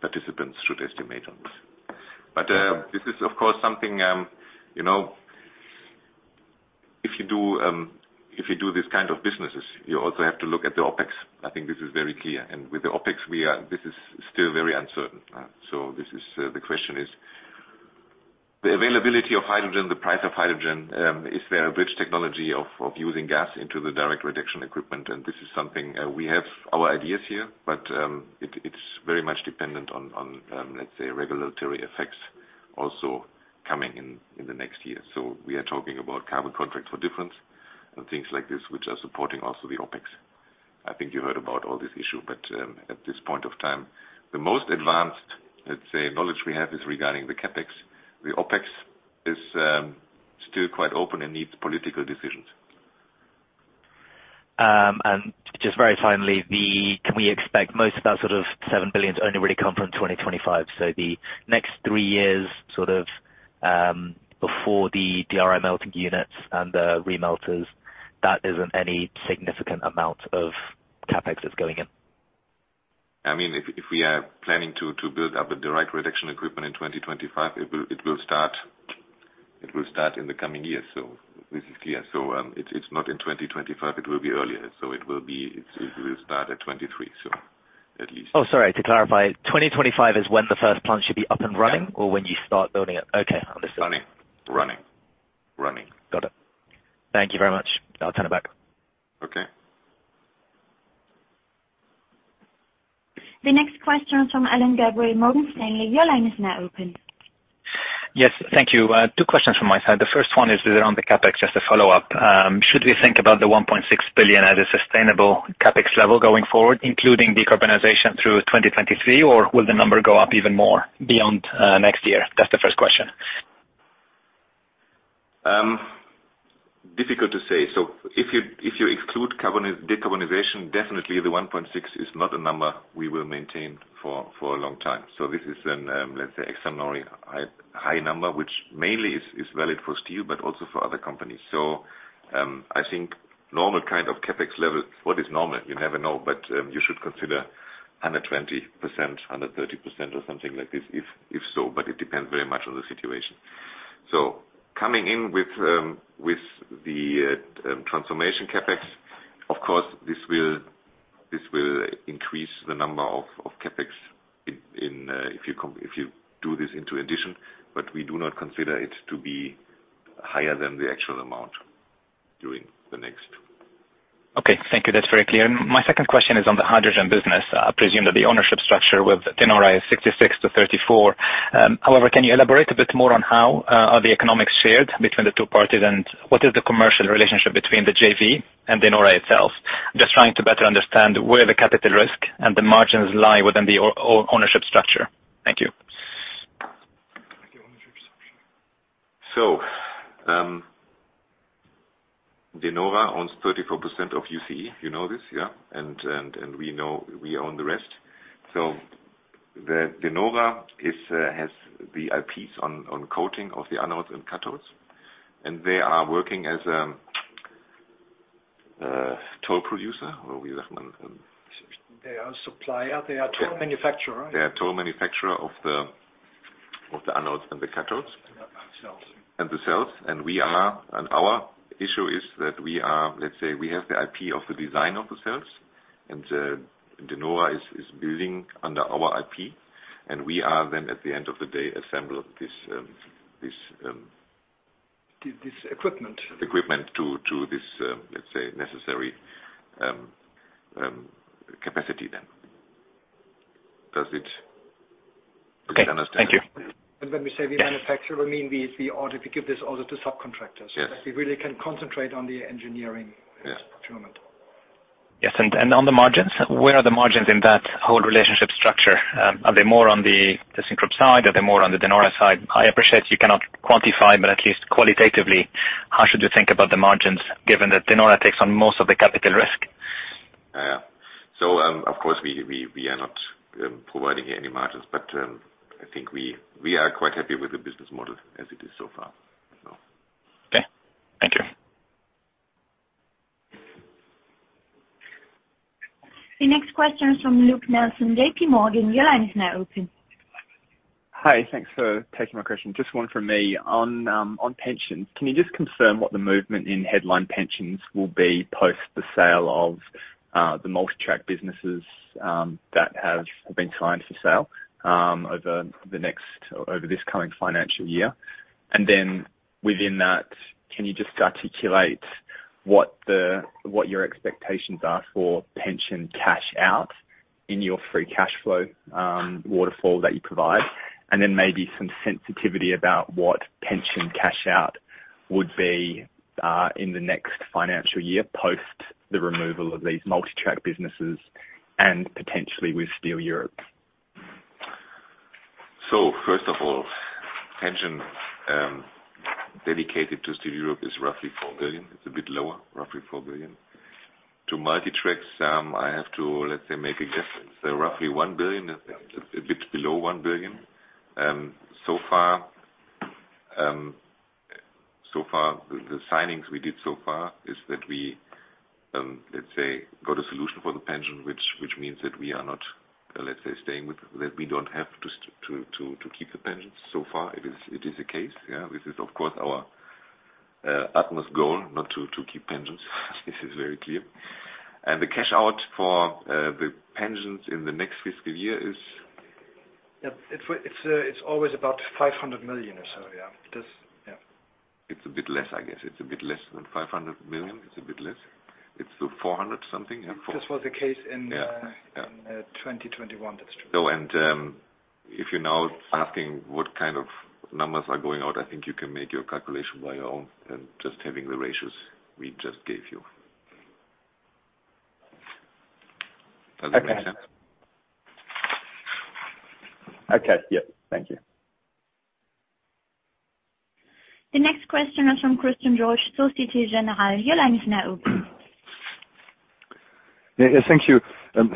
participants should estimate on this. This is of course something, you know, if you do this kind of businesses, you also have to look at the OpEx. I think this is very clear. With the OpEx, this is still very uncertain. This is, the question is the availability of hydrogen, the price of hydrogen, is there a bridge technology of using gas into the Direct Reduction equipment. This is something we have our ideas here, but it's very much dependent on, let's say, regulatory effects also. Next year. We are talking about Carbon Contracts for Difference and things like this, which are supporting also the OpEx. I think you heard about all this issue, but at this point of time, the most advanced, let's say, knowledge we have is regarding the CapEx. The OpEx is still quite open and needs political decisions. Just very finally, can we expect most of that sort of 7 billion only really come from 2025? The next three years, sort of, before the DRI melting units and the re-melters, that isn't any significant amount of CapEx that's going in. I mean, if we are planning to build up a Direct Reduction equipment in 2025, it will start in the coming years. This is clear. It's not in 2025, it will be earlier. It will start at 2023, so at least. Oh, sorry. To clarify, 2025 is when the first plant should be up and running. Yeah. When you start building it? Okay. Understood. Running. Got it. Thank you very much. I'll turn it back. Okay. The next question from Alain Gabriel, Morgan Stanley. Your line is now open. Yes. Thank you. Two questions from my side. The first one is around the CapEx, just to follow up. Should we think about the 1.6 billion as a sustainable CapEx level going forward, including decarbonization through 2023? Or will the number go up even more beyond next year? That's the first question. Difficult to say. If you exclude decarbonization, definitely the 1.6 is not a number we will maintain for a long time. This is an, let's say, extraordinary high number, which mainly is valid for steel, but also for other companies. I think normal kind of CapEx level. What is normal? You never know, but you should consider 120%, 130% or something like this if so, but it depends very much on the situation. Coming in with the transformation CapEx, of course, this will increase the number of CapEx if you do this in addition. We do not consider it to be higher than the actual amount during the next... Okay. Thank you. That's very clear. My second question is on the hydrogen business. I presume that the ownership structure with De Nora is 66%-34%. However, can you elaborate a bit more on how are the economics shared between the two parties, and what is the commercial relationship between the JV and De Nora itself? Just trying to better understand where the capital risk and the margins lie within the ownership structure. Thank you. De Nora owns 34% of UCE. You know this, yeah? We know we own the rest. De Nora has the IPs on coating of the anodes and cathodes, and they are working as a toll producer. How we recommend They are a supplier. They are a toll manufacturer. They are a toll manufacturer of the anodes and the cathodes. Yeah. Cells. The cells. Our issue is that we are, let's say, we have the IP of the design of the cells, and De Nora is building under our IP, and we are then at the end of the day assemble this. This equipment. Equipment to this, let's say, capacity then. Does it. Okay. Thank you. When we say we manufacture, we mean we order, we give this order to subcontractors. Yes. That we really can concentrate on the engineering. Yes. at the moment. Yes. On the margins, where are the margins in that whole relationship structure? Are they more on the Syncreon side? Are they more on the De Nora side? I appreciate you cannot quantify, but at least qualitatively, how should you think about the margins given that De Nora takes on most of the capital risk? Yeah. Of course, we are not providing any margins, but I think we are quite happy with the business model as it is so far, so. Okay. Thank you. The next question is from Luke Nelson, JPMorgan. Your line is now open. Hi. Thanks for taking my question. Just one from me on pensions. Can you just confirm what the movement in headline pensions will be post the sale of the Multi Tracks businesses that have been signed for sale over this coming financial year? And then within that, can you just articulate what your expectations are for pension cash out in your free cash flow waterfall that you provide? And then maybe some sensitivity about what pension cash out would be in the next financial year post the removal of these Multi Tracks businesses and potentially with Steel Europe. First of all, pension dedicated to Steel Europe is roughly 4 billion. It's a bit lower, roughly 4 billion. To Multi Tracks some, I have to, let's say, make a guess. Roughly 1 billion, a bit below 1 billion. So far, the signings we did so far is that we, let's say, got a solution for the pension which means that we are not, let's say, that we don't have to keep the pensions. So far, it is the case, yeah. This is, of course, our utmost goal, not to keep pensions. This is very clear. The cash out for the pensions in the next fiscal year is. Yeah. It's always about 500 million or so, yeah. It is, yeah. It's a bit less than 500 million, I guess. It's the 400-something, yeah? This was the case in. Yeah. Yeah. in 2021. That's true. If you're now asking what kind of numbers are going out, I think you can make your calculation by your own and just having the ratios we just gave you. Okay. Does that make sense? Okay, yeah. Thank you. The next question is from Christian Georges, Société Générale. Your line is now open. Yeah. Thank you.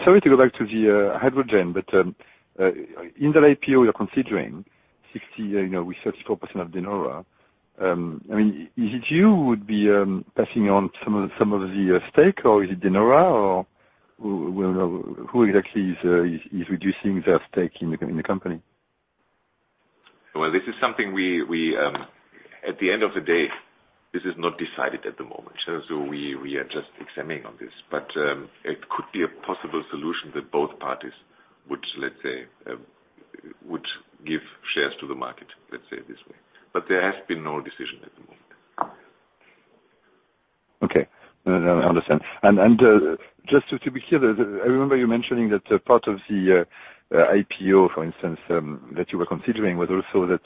Sorry to go back to the hydrogen, but in the IPO you're considering, 60%, you know, with 34% of De Nora. I mean, is it you who would be passing on some of the stake, or is it De Nora, or who exactly is reducing their stake in the company? Well, this is something we at the end of the day, this is not decided at the moment. We are just examining on this, but it could be a possible solution that both parties would, let's say, would give shares to the market, let's say it this way. There has been no decision at the moment. Okay. No, no, I understand. Just to be clear, I remember you mentioning that a part of the IPO, for instance, that you were considering was also that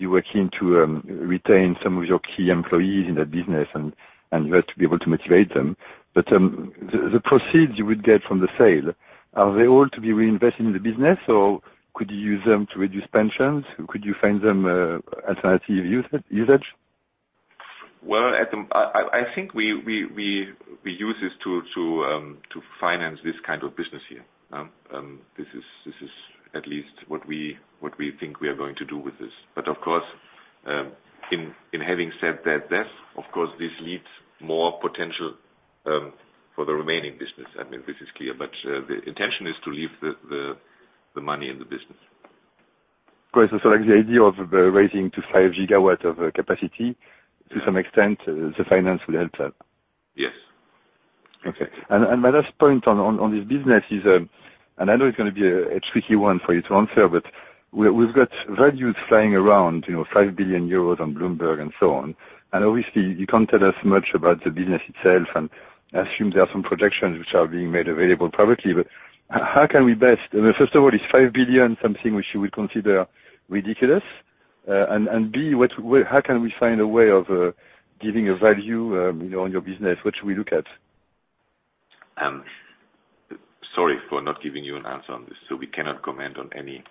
you were keen to retain some of your key employees in the business and you had to be able to motivate them. The proceeds you would get from the sale, are they all to be reinvested in the business or could you use them to reduce pensions? Could you find them alternative usage? Well, I think we use this to finance this kind of business here. This is at least what we think we are going to do with this. But of course, in having said that, of course this leaves more potential for the remaining business. I mean, this is clear. The intention is to leave the money in the business. Of course. Like the idea of raising to 5 GW of capacity to some extent, the finance will help that. Yes. Okay. My last point on this business is, and I know it's gonna be a tricky one for you to answer, but we've got values flying around, you know, 5 billion euros on Bloomberg and so on. Obviously, you can't tell us much about the business itself, and I assume there are some projections which are being made available privately. First of all, is 5 billion something which you would consider ridiculous? And B, how can we find a way of giving a value, you know, on your business? What should we look at? Sorry for not giving you an answer on this. We cannot comment on any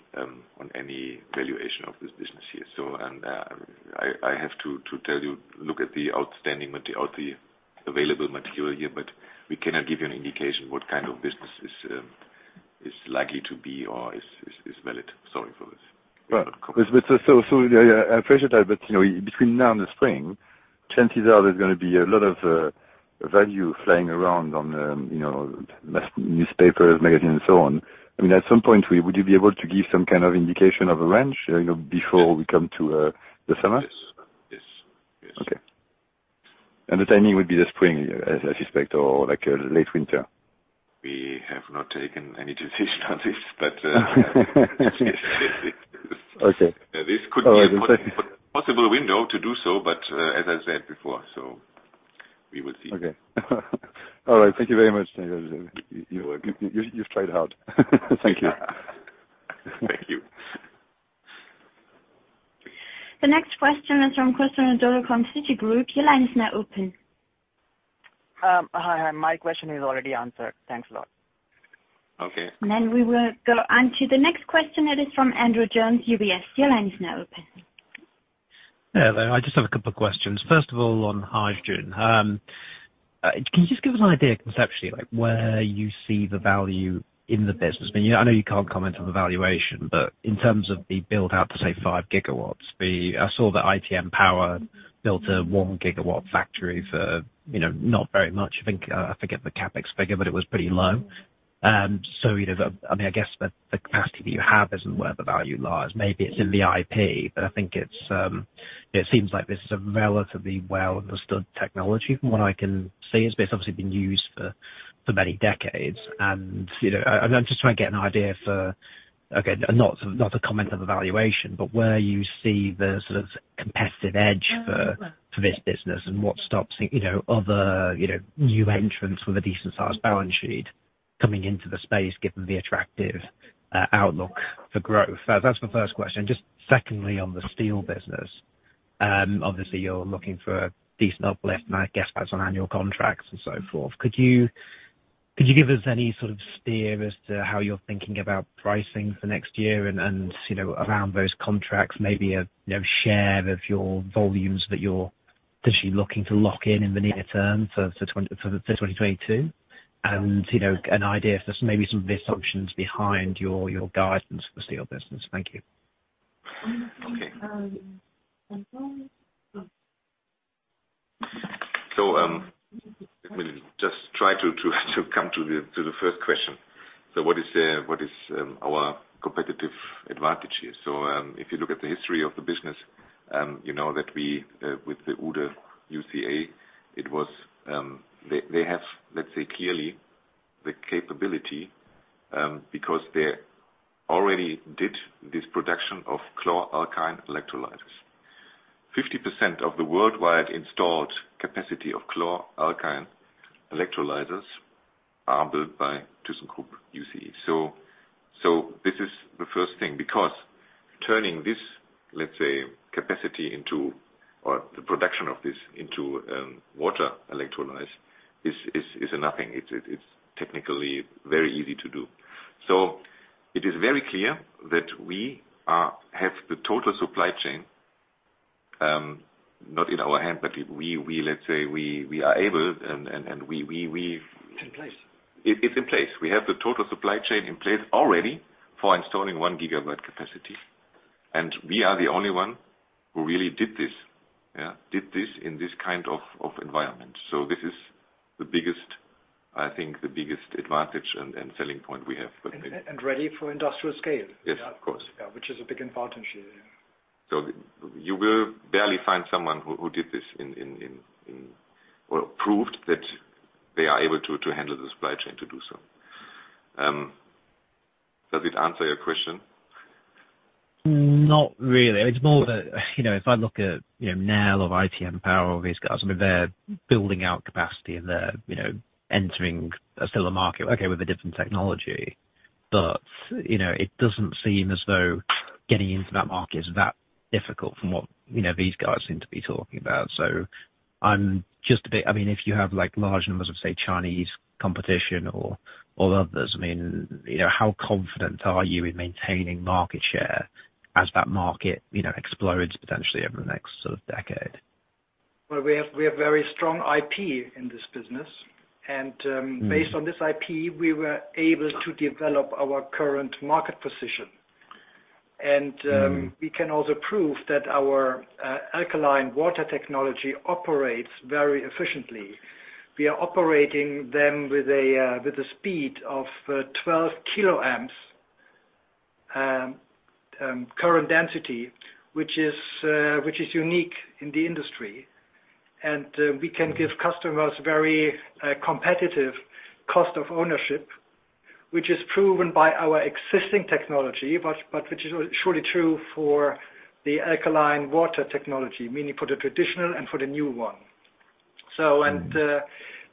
valuation of this business here. I have to tell you, look at the outstanding material, the available material here, but we cannot give you an indication what kind of business is likely to be or is valid. Sorry for this. Well. Cannot comment. I appreciate that. You know, between now and the spring, chances are there's gonna be a lot of value flying around on, you know, major newspapers, magazines and so on. I mean, at some point, would you be able to give some kind of indication of a range, you know, before we come to the summer? Yes. Yes. Yes. Okay. The timing would be the spring, as I suspect, or like late winter? We have not taken any decision on this, but. Okay. This could be a possible window to do so, but, as I said before, we will see. Okay. All right. Thank you very much. You're welcome. You've tried hard. Thank you. Thank you. The next question is from Krishan Agarwal from Citigroup. Your line is now open. Hi. My question is already answered. Thanks a lot. Okay. We will go on to the next question. It is from Andrew Jones, UBS. Your line is now open. Hello there. I just have a couple of questions. First of all, on hydrogen. Can you just give us an idea conceptually, like where you see the value in the business? I mean, I know you can't comment on the valuation, but in terms of the build out to, say, 5 GW. I saw that ITM Power built a 1 GW factory for, you know, not very much, I think. I forget the CapEx figure, but it was pretty low. So, you know, I mean, I guess the capacity that you have isn't where the value lies. Maybe it's in the IP, but I think it's, it seems like this is a relatively well-understood technology from what I can see, as it's obviously been used for many decades. You know, I'm just trying to get an idea, not to comment on the valuation, but where you see the sort of competitive edge for this business and what stops you know other new entrants with a decent-sized balance sheet coming into the space, given the attractive outlook for growth. That's the first question. Just secondly, on the steel business, obviously you're looking for a decent uplift and I guess that's on annual contracts and so forth. Could you give us any sort of steer as to how you're thinking about pricing for next year and you know around those contracts, maybe a share of your volumes that you're potentially looking to lock in in the near term for 2022? You know, an idea if there's maybe some of the assumptions behind your guidance for the steel business? Thank you. Okay. Let me just try to come to the first question. What is our competitive advantage here? If you look at the history of the business, you know that we with the Uhde Chlorine Engineers, it was, they have, let's say, clearly the capability, because they already did this production of chlor-alkali electrolyzers. 50% of the worldwide installed capacity of chloralkali electrolyzers are built by thyssenkrupp Uhde Chlorine Engineers. This is the first thing, because turning this, let's say, capacity into or the production of this into water electrolyzers is nothing. It's technically very easy to do. It is very clear that we have the total supply chain not in our hand, but let's say we are able and we. In place. It's in place. We have the total supply chain in place already for installing one gigawatt capacity, and we are the only one who really did this in this kind of environment. This is the biggest, I think, advantage and selling point we have. Ready for industrial scale. Yes, of course. Yeah. Which is a big advantage. You will barely find someone who did this. Well, proved that they are able to handle the supply chain to do so. Does it answer your question? Not really. It's more that, you know, if I look at, you know, Nel or ITM Power or these guys, I mean, they're building out capacity and they're, you know, entering a similar market. Okay, with a different technology. You know, it doesn't seem as though getting into that market is that difficult from what, you know, these guys seem to be talking about. I'm just a bit. I mean, if you have like large numbers of, say, Chinese competition or others, I mean, you know, how confident are you in maintaining market share as that market, you know, explodes potentially over the next sort of decade? Well, we have very strong IP in this business. Mm-hmm. Based on this IP, we were able to develop our current market position. Mm-hmm. We can also prove that our alkaline water electrolysis operates very efficiently. We are operating them with a speed of 12 kiloamps current density, which is unique in the industry. We can give customers very competitive cost of ownership, which is proven by our existing technology, but which is surely true for the alkaline water electrolysis, meaning for the traditional and for the new one.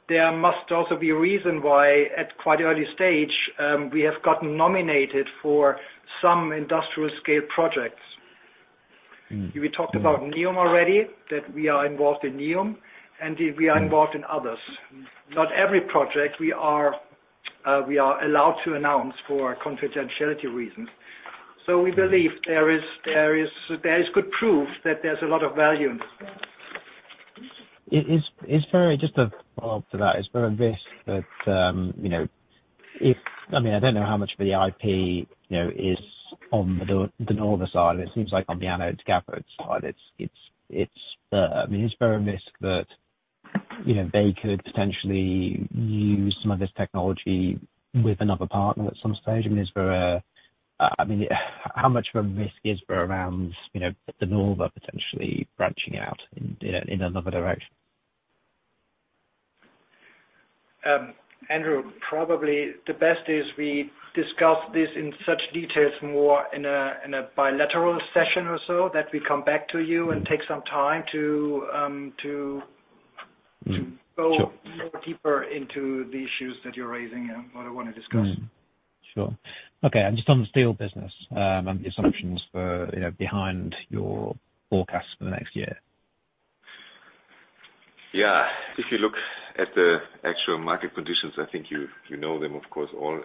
There must also be a reason why at quite early stage we have gotten nominated for some industrial scale projects. Mm-hmm. We talked about NEOM already, that we are involved in NEOM and we are involved in others. Not every project we are allowed to announce for confidentiality reasons. We believe there is good proof that there's a lot of value in this. Is there just a follow-up to that? Is there a risk that, you know, I mean, I don't know how much of the IP, you know, is on the De Nora side. It seems like on the anodes and cathodes side, it's, I mean, is there a risk that, you know, they could potentially use some of this technology with another partner at some stage? I mean, how much of a risk is there around, you know, the De Nora potentially branching out in another direction? Andrew, probably the best is we discuss this in such details more in a bilateral session or so that we come back to you and take some time to. Mm-hmm. Sure. To go more deeper into the issues that you're raising and what I want to discuss. Mm-hmm. Sure. Okay. Just on the steel business, and the assumptions for, you know, behind your forecast for the next year. Yeah. If you look at the actual market conditions, I think you know them, of course, all.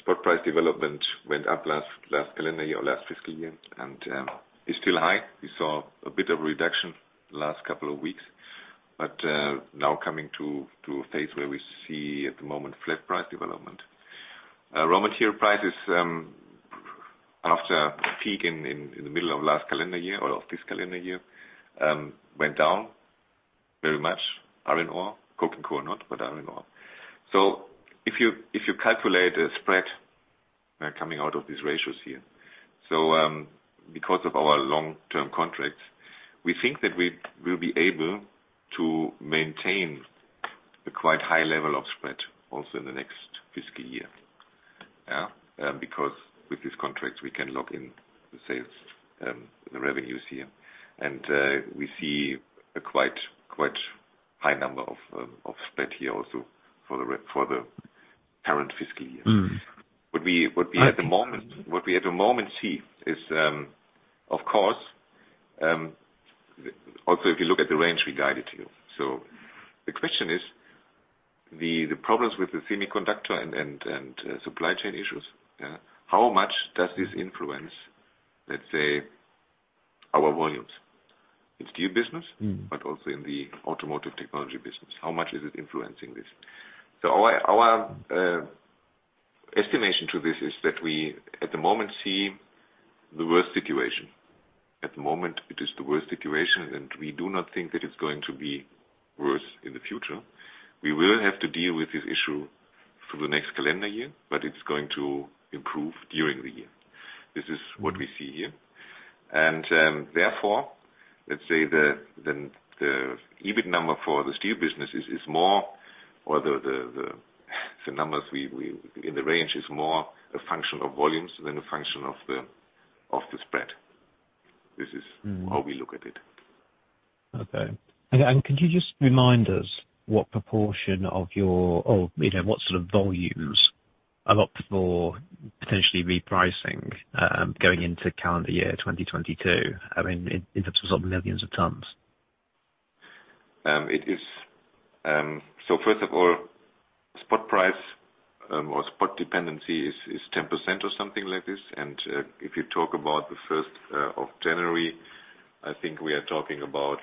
Spot price development went up last calendar year or last fiscal year, and is still high. We saw a bit of a reduction the last couple of weeks, but now coming to a phase where we see at the moment flat price development. Raw material prices, after a peak in the middle of last calendar year or of this calendar year, went down very much. Iron ore, coking coal not, but iron ore. If you calculate a spread coming out of these ratios here. Because of our long-term contracts, we think that we will be able to maintain a quite high level of spread also in the next fiscal year. Yeah. Because with these contracts, we can lock in the sales, the revenues here. We see a quite high number of spread here also for the current fiscal year. Mm-hmm. What we at the moment see is, of course, also if you look at the range we guided you. The question is the problems with the semiconductor and supply chain issues, yeah, how much does this influence, let's say, our volumes in steel business. Mm-hmm. also in the Automotive Technology business? How much is it influencing this? Our estimation to this is that we at the moment see the worst situation. At the moment, it is the worst situation, and we do not think that it's going to be worse in the future. We will have to deal with this issue through the next calendar year, but it's going to improve during the year. This is what we see here. Therefore, let's say the EBIT number for the steel business is more a function of volumes than a function of the spread. This is. Mm. How we look at it. Okay. Could you just remind us what proportion of your or, you know, what sort of volumes are up for potentially repricing, going into calendar year 2022? I mean, in terms of sort of millions of tons. First of all, spot price or spot dependency is 10% or something like this. If you talk about the first of January, I think we are talking about.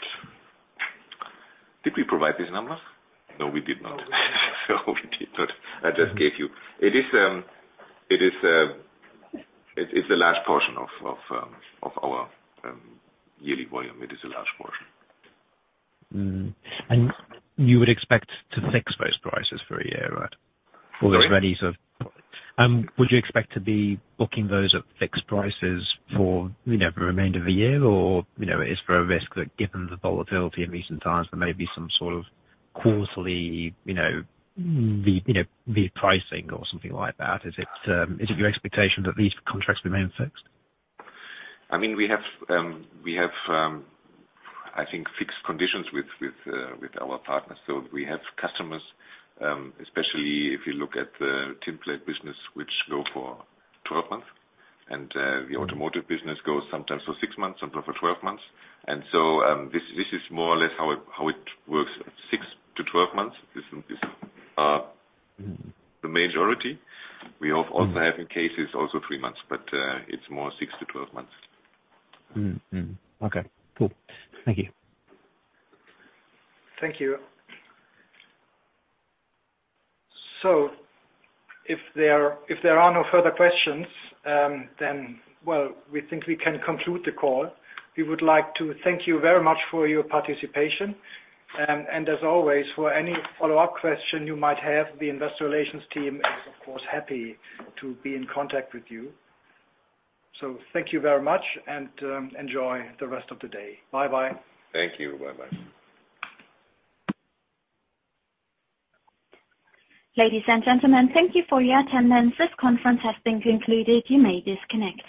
Did we provide these numbers? No, we did not. I just gave you. It's a large portion of our yearly volume. It is a large portion. You would expect to fix those prices for a year, right? Sorry? Would you expect to be booking those at fixed prices for, you know, the remainder of the year or, you know, is there a risk that given the volatility in recent times, there may be some sort of quarterly, you know, repricing or something like that? Is it your expectation that these contracts remain fixed? I mean, we have I think fixed conditions with our partners. We have customers, especially if you look at the tinplate business which go for 12 months. The automotive business goes sometimes for six months, sometimes for 12 months. This is more or less how it works. six-12 months is. Mm-hmm. The majority. We have also having cases also three months, but it's more six-12 months. Mm-hmm. Mm-hmm. Okay, cool. Thank you. Thank you. If there are no further questions, then, well, we think we can conclude the call. We would like to thank you very much for your participation. As always, for any follow-up question you might have, the Investor Relations team is of course happy to be in contact with you. Thank you very much and enjoy the rest of the day. Bye-bye. Thank you. Bye-bye. Ladies and gentlemen, thank you for your attendance. This conference has been concluded. You may disconnect.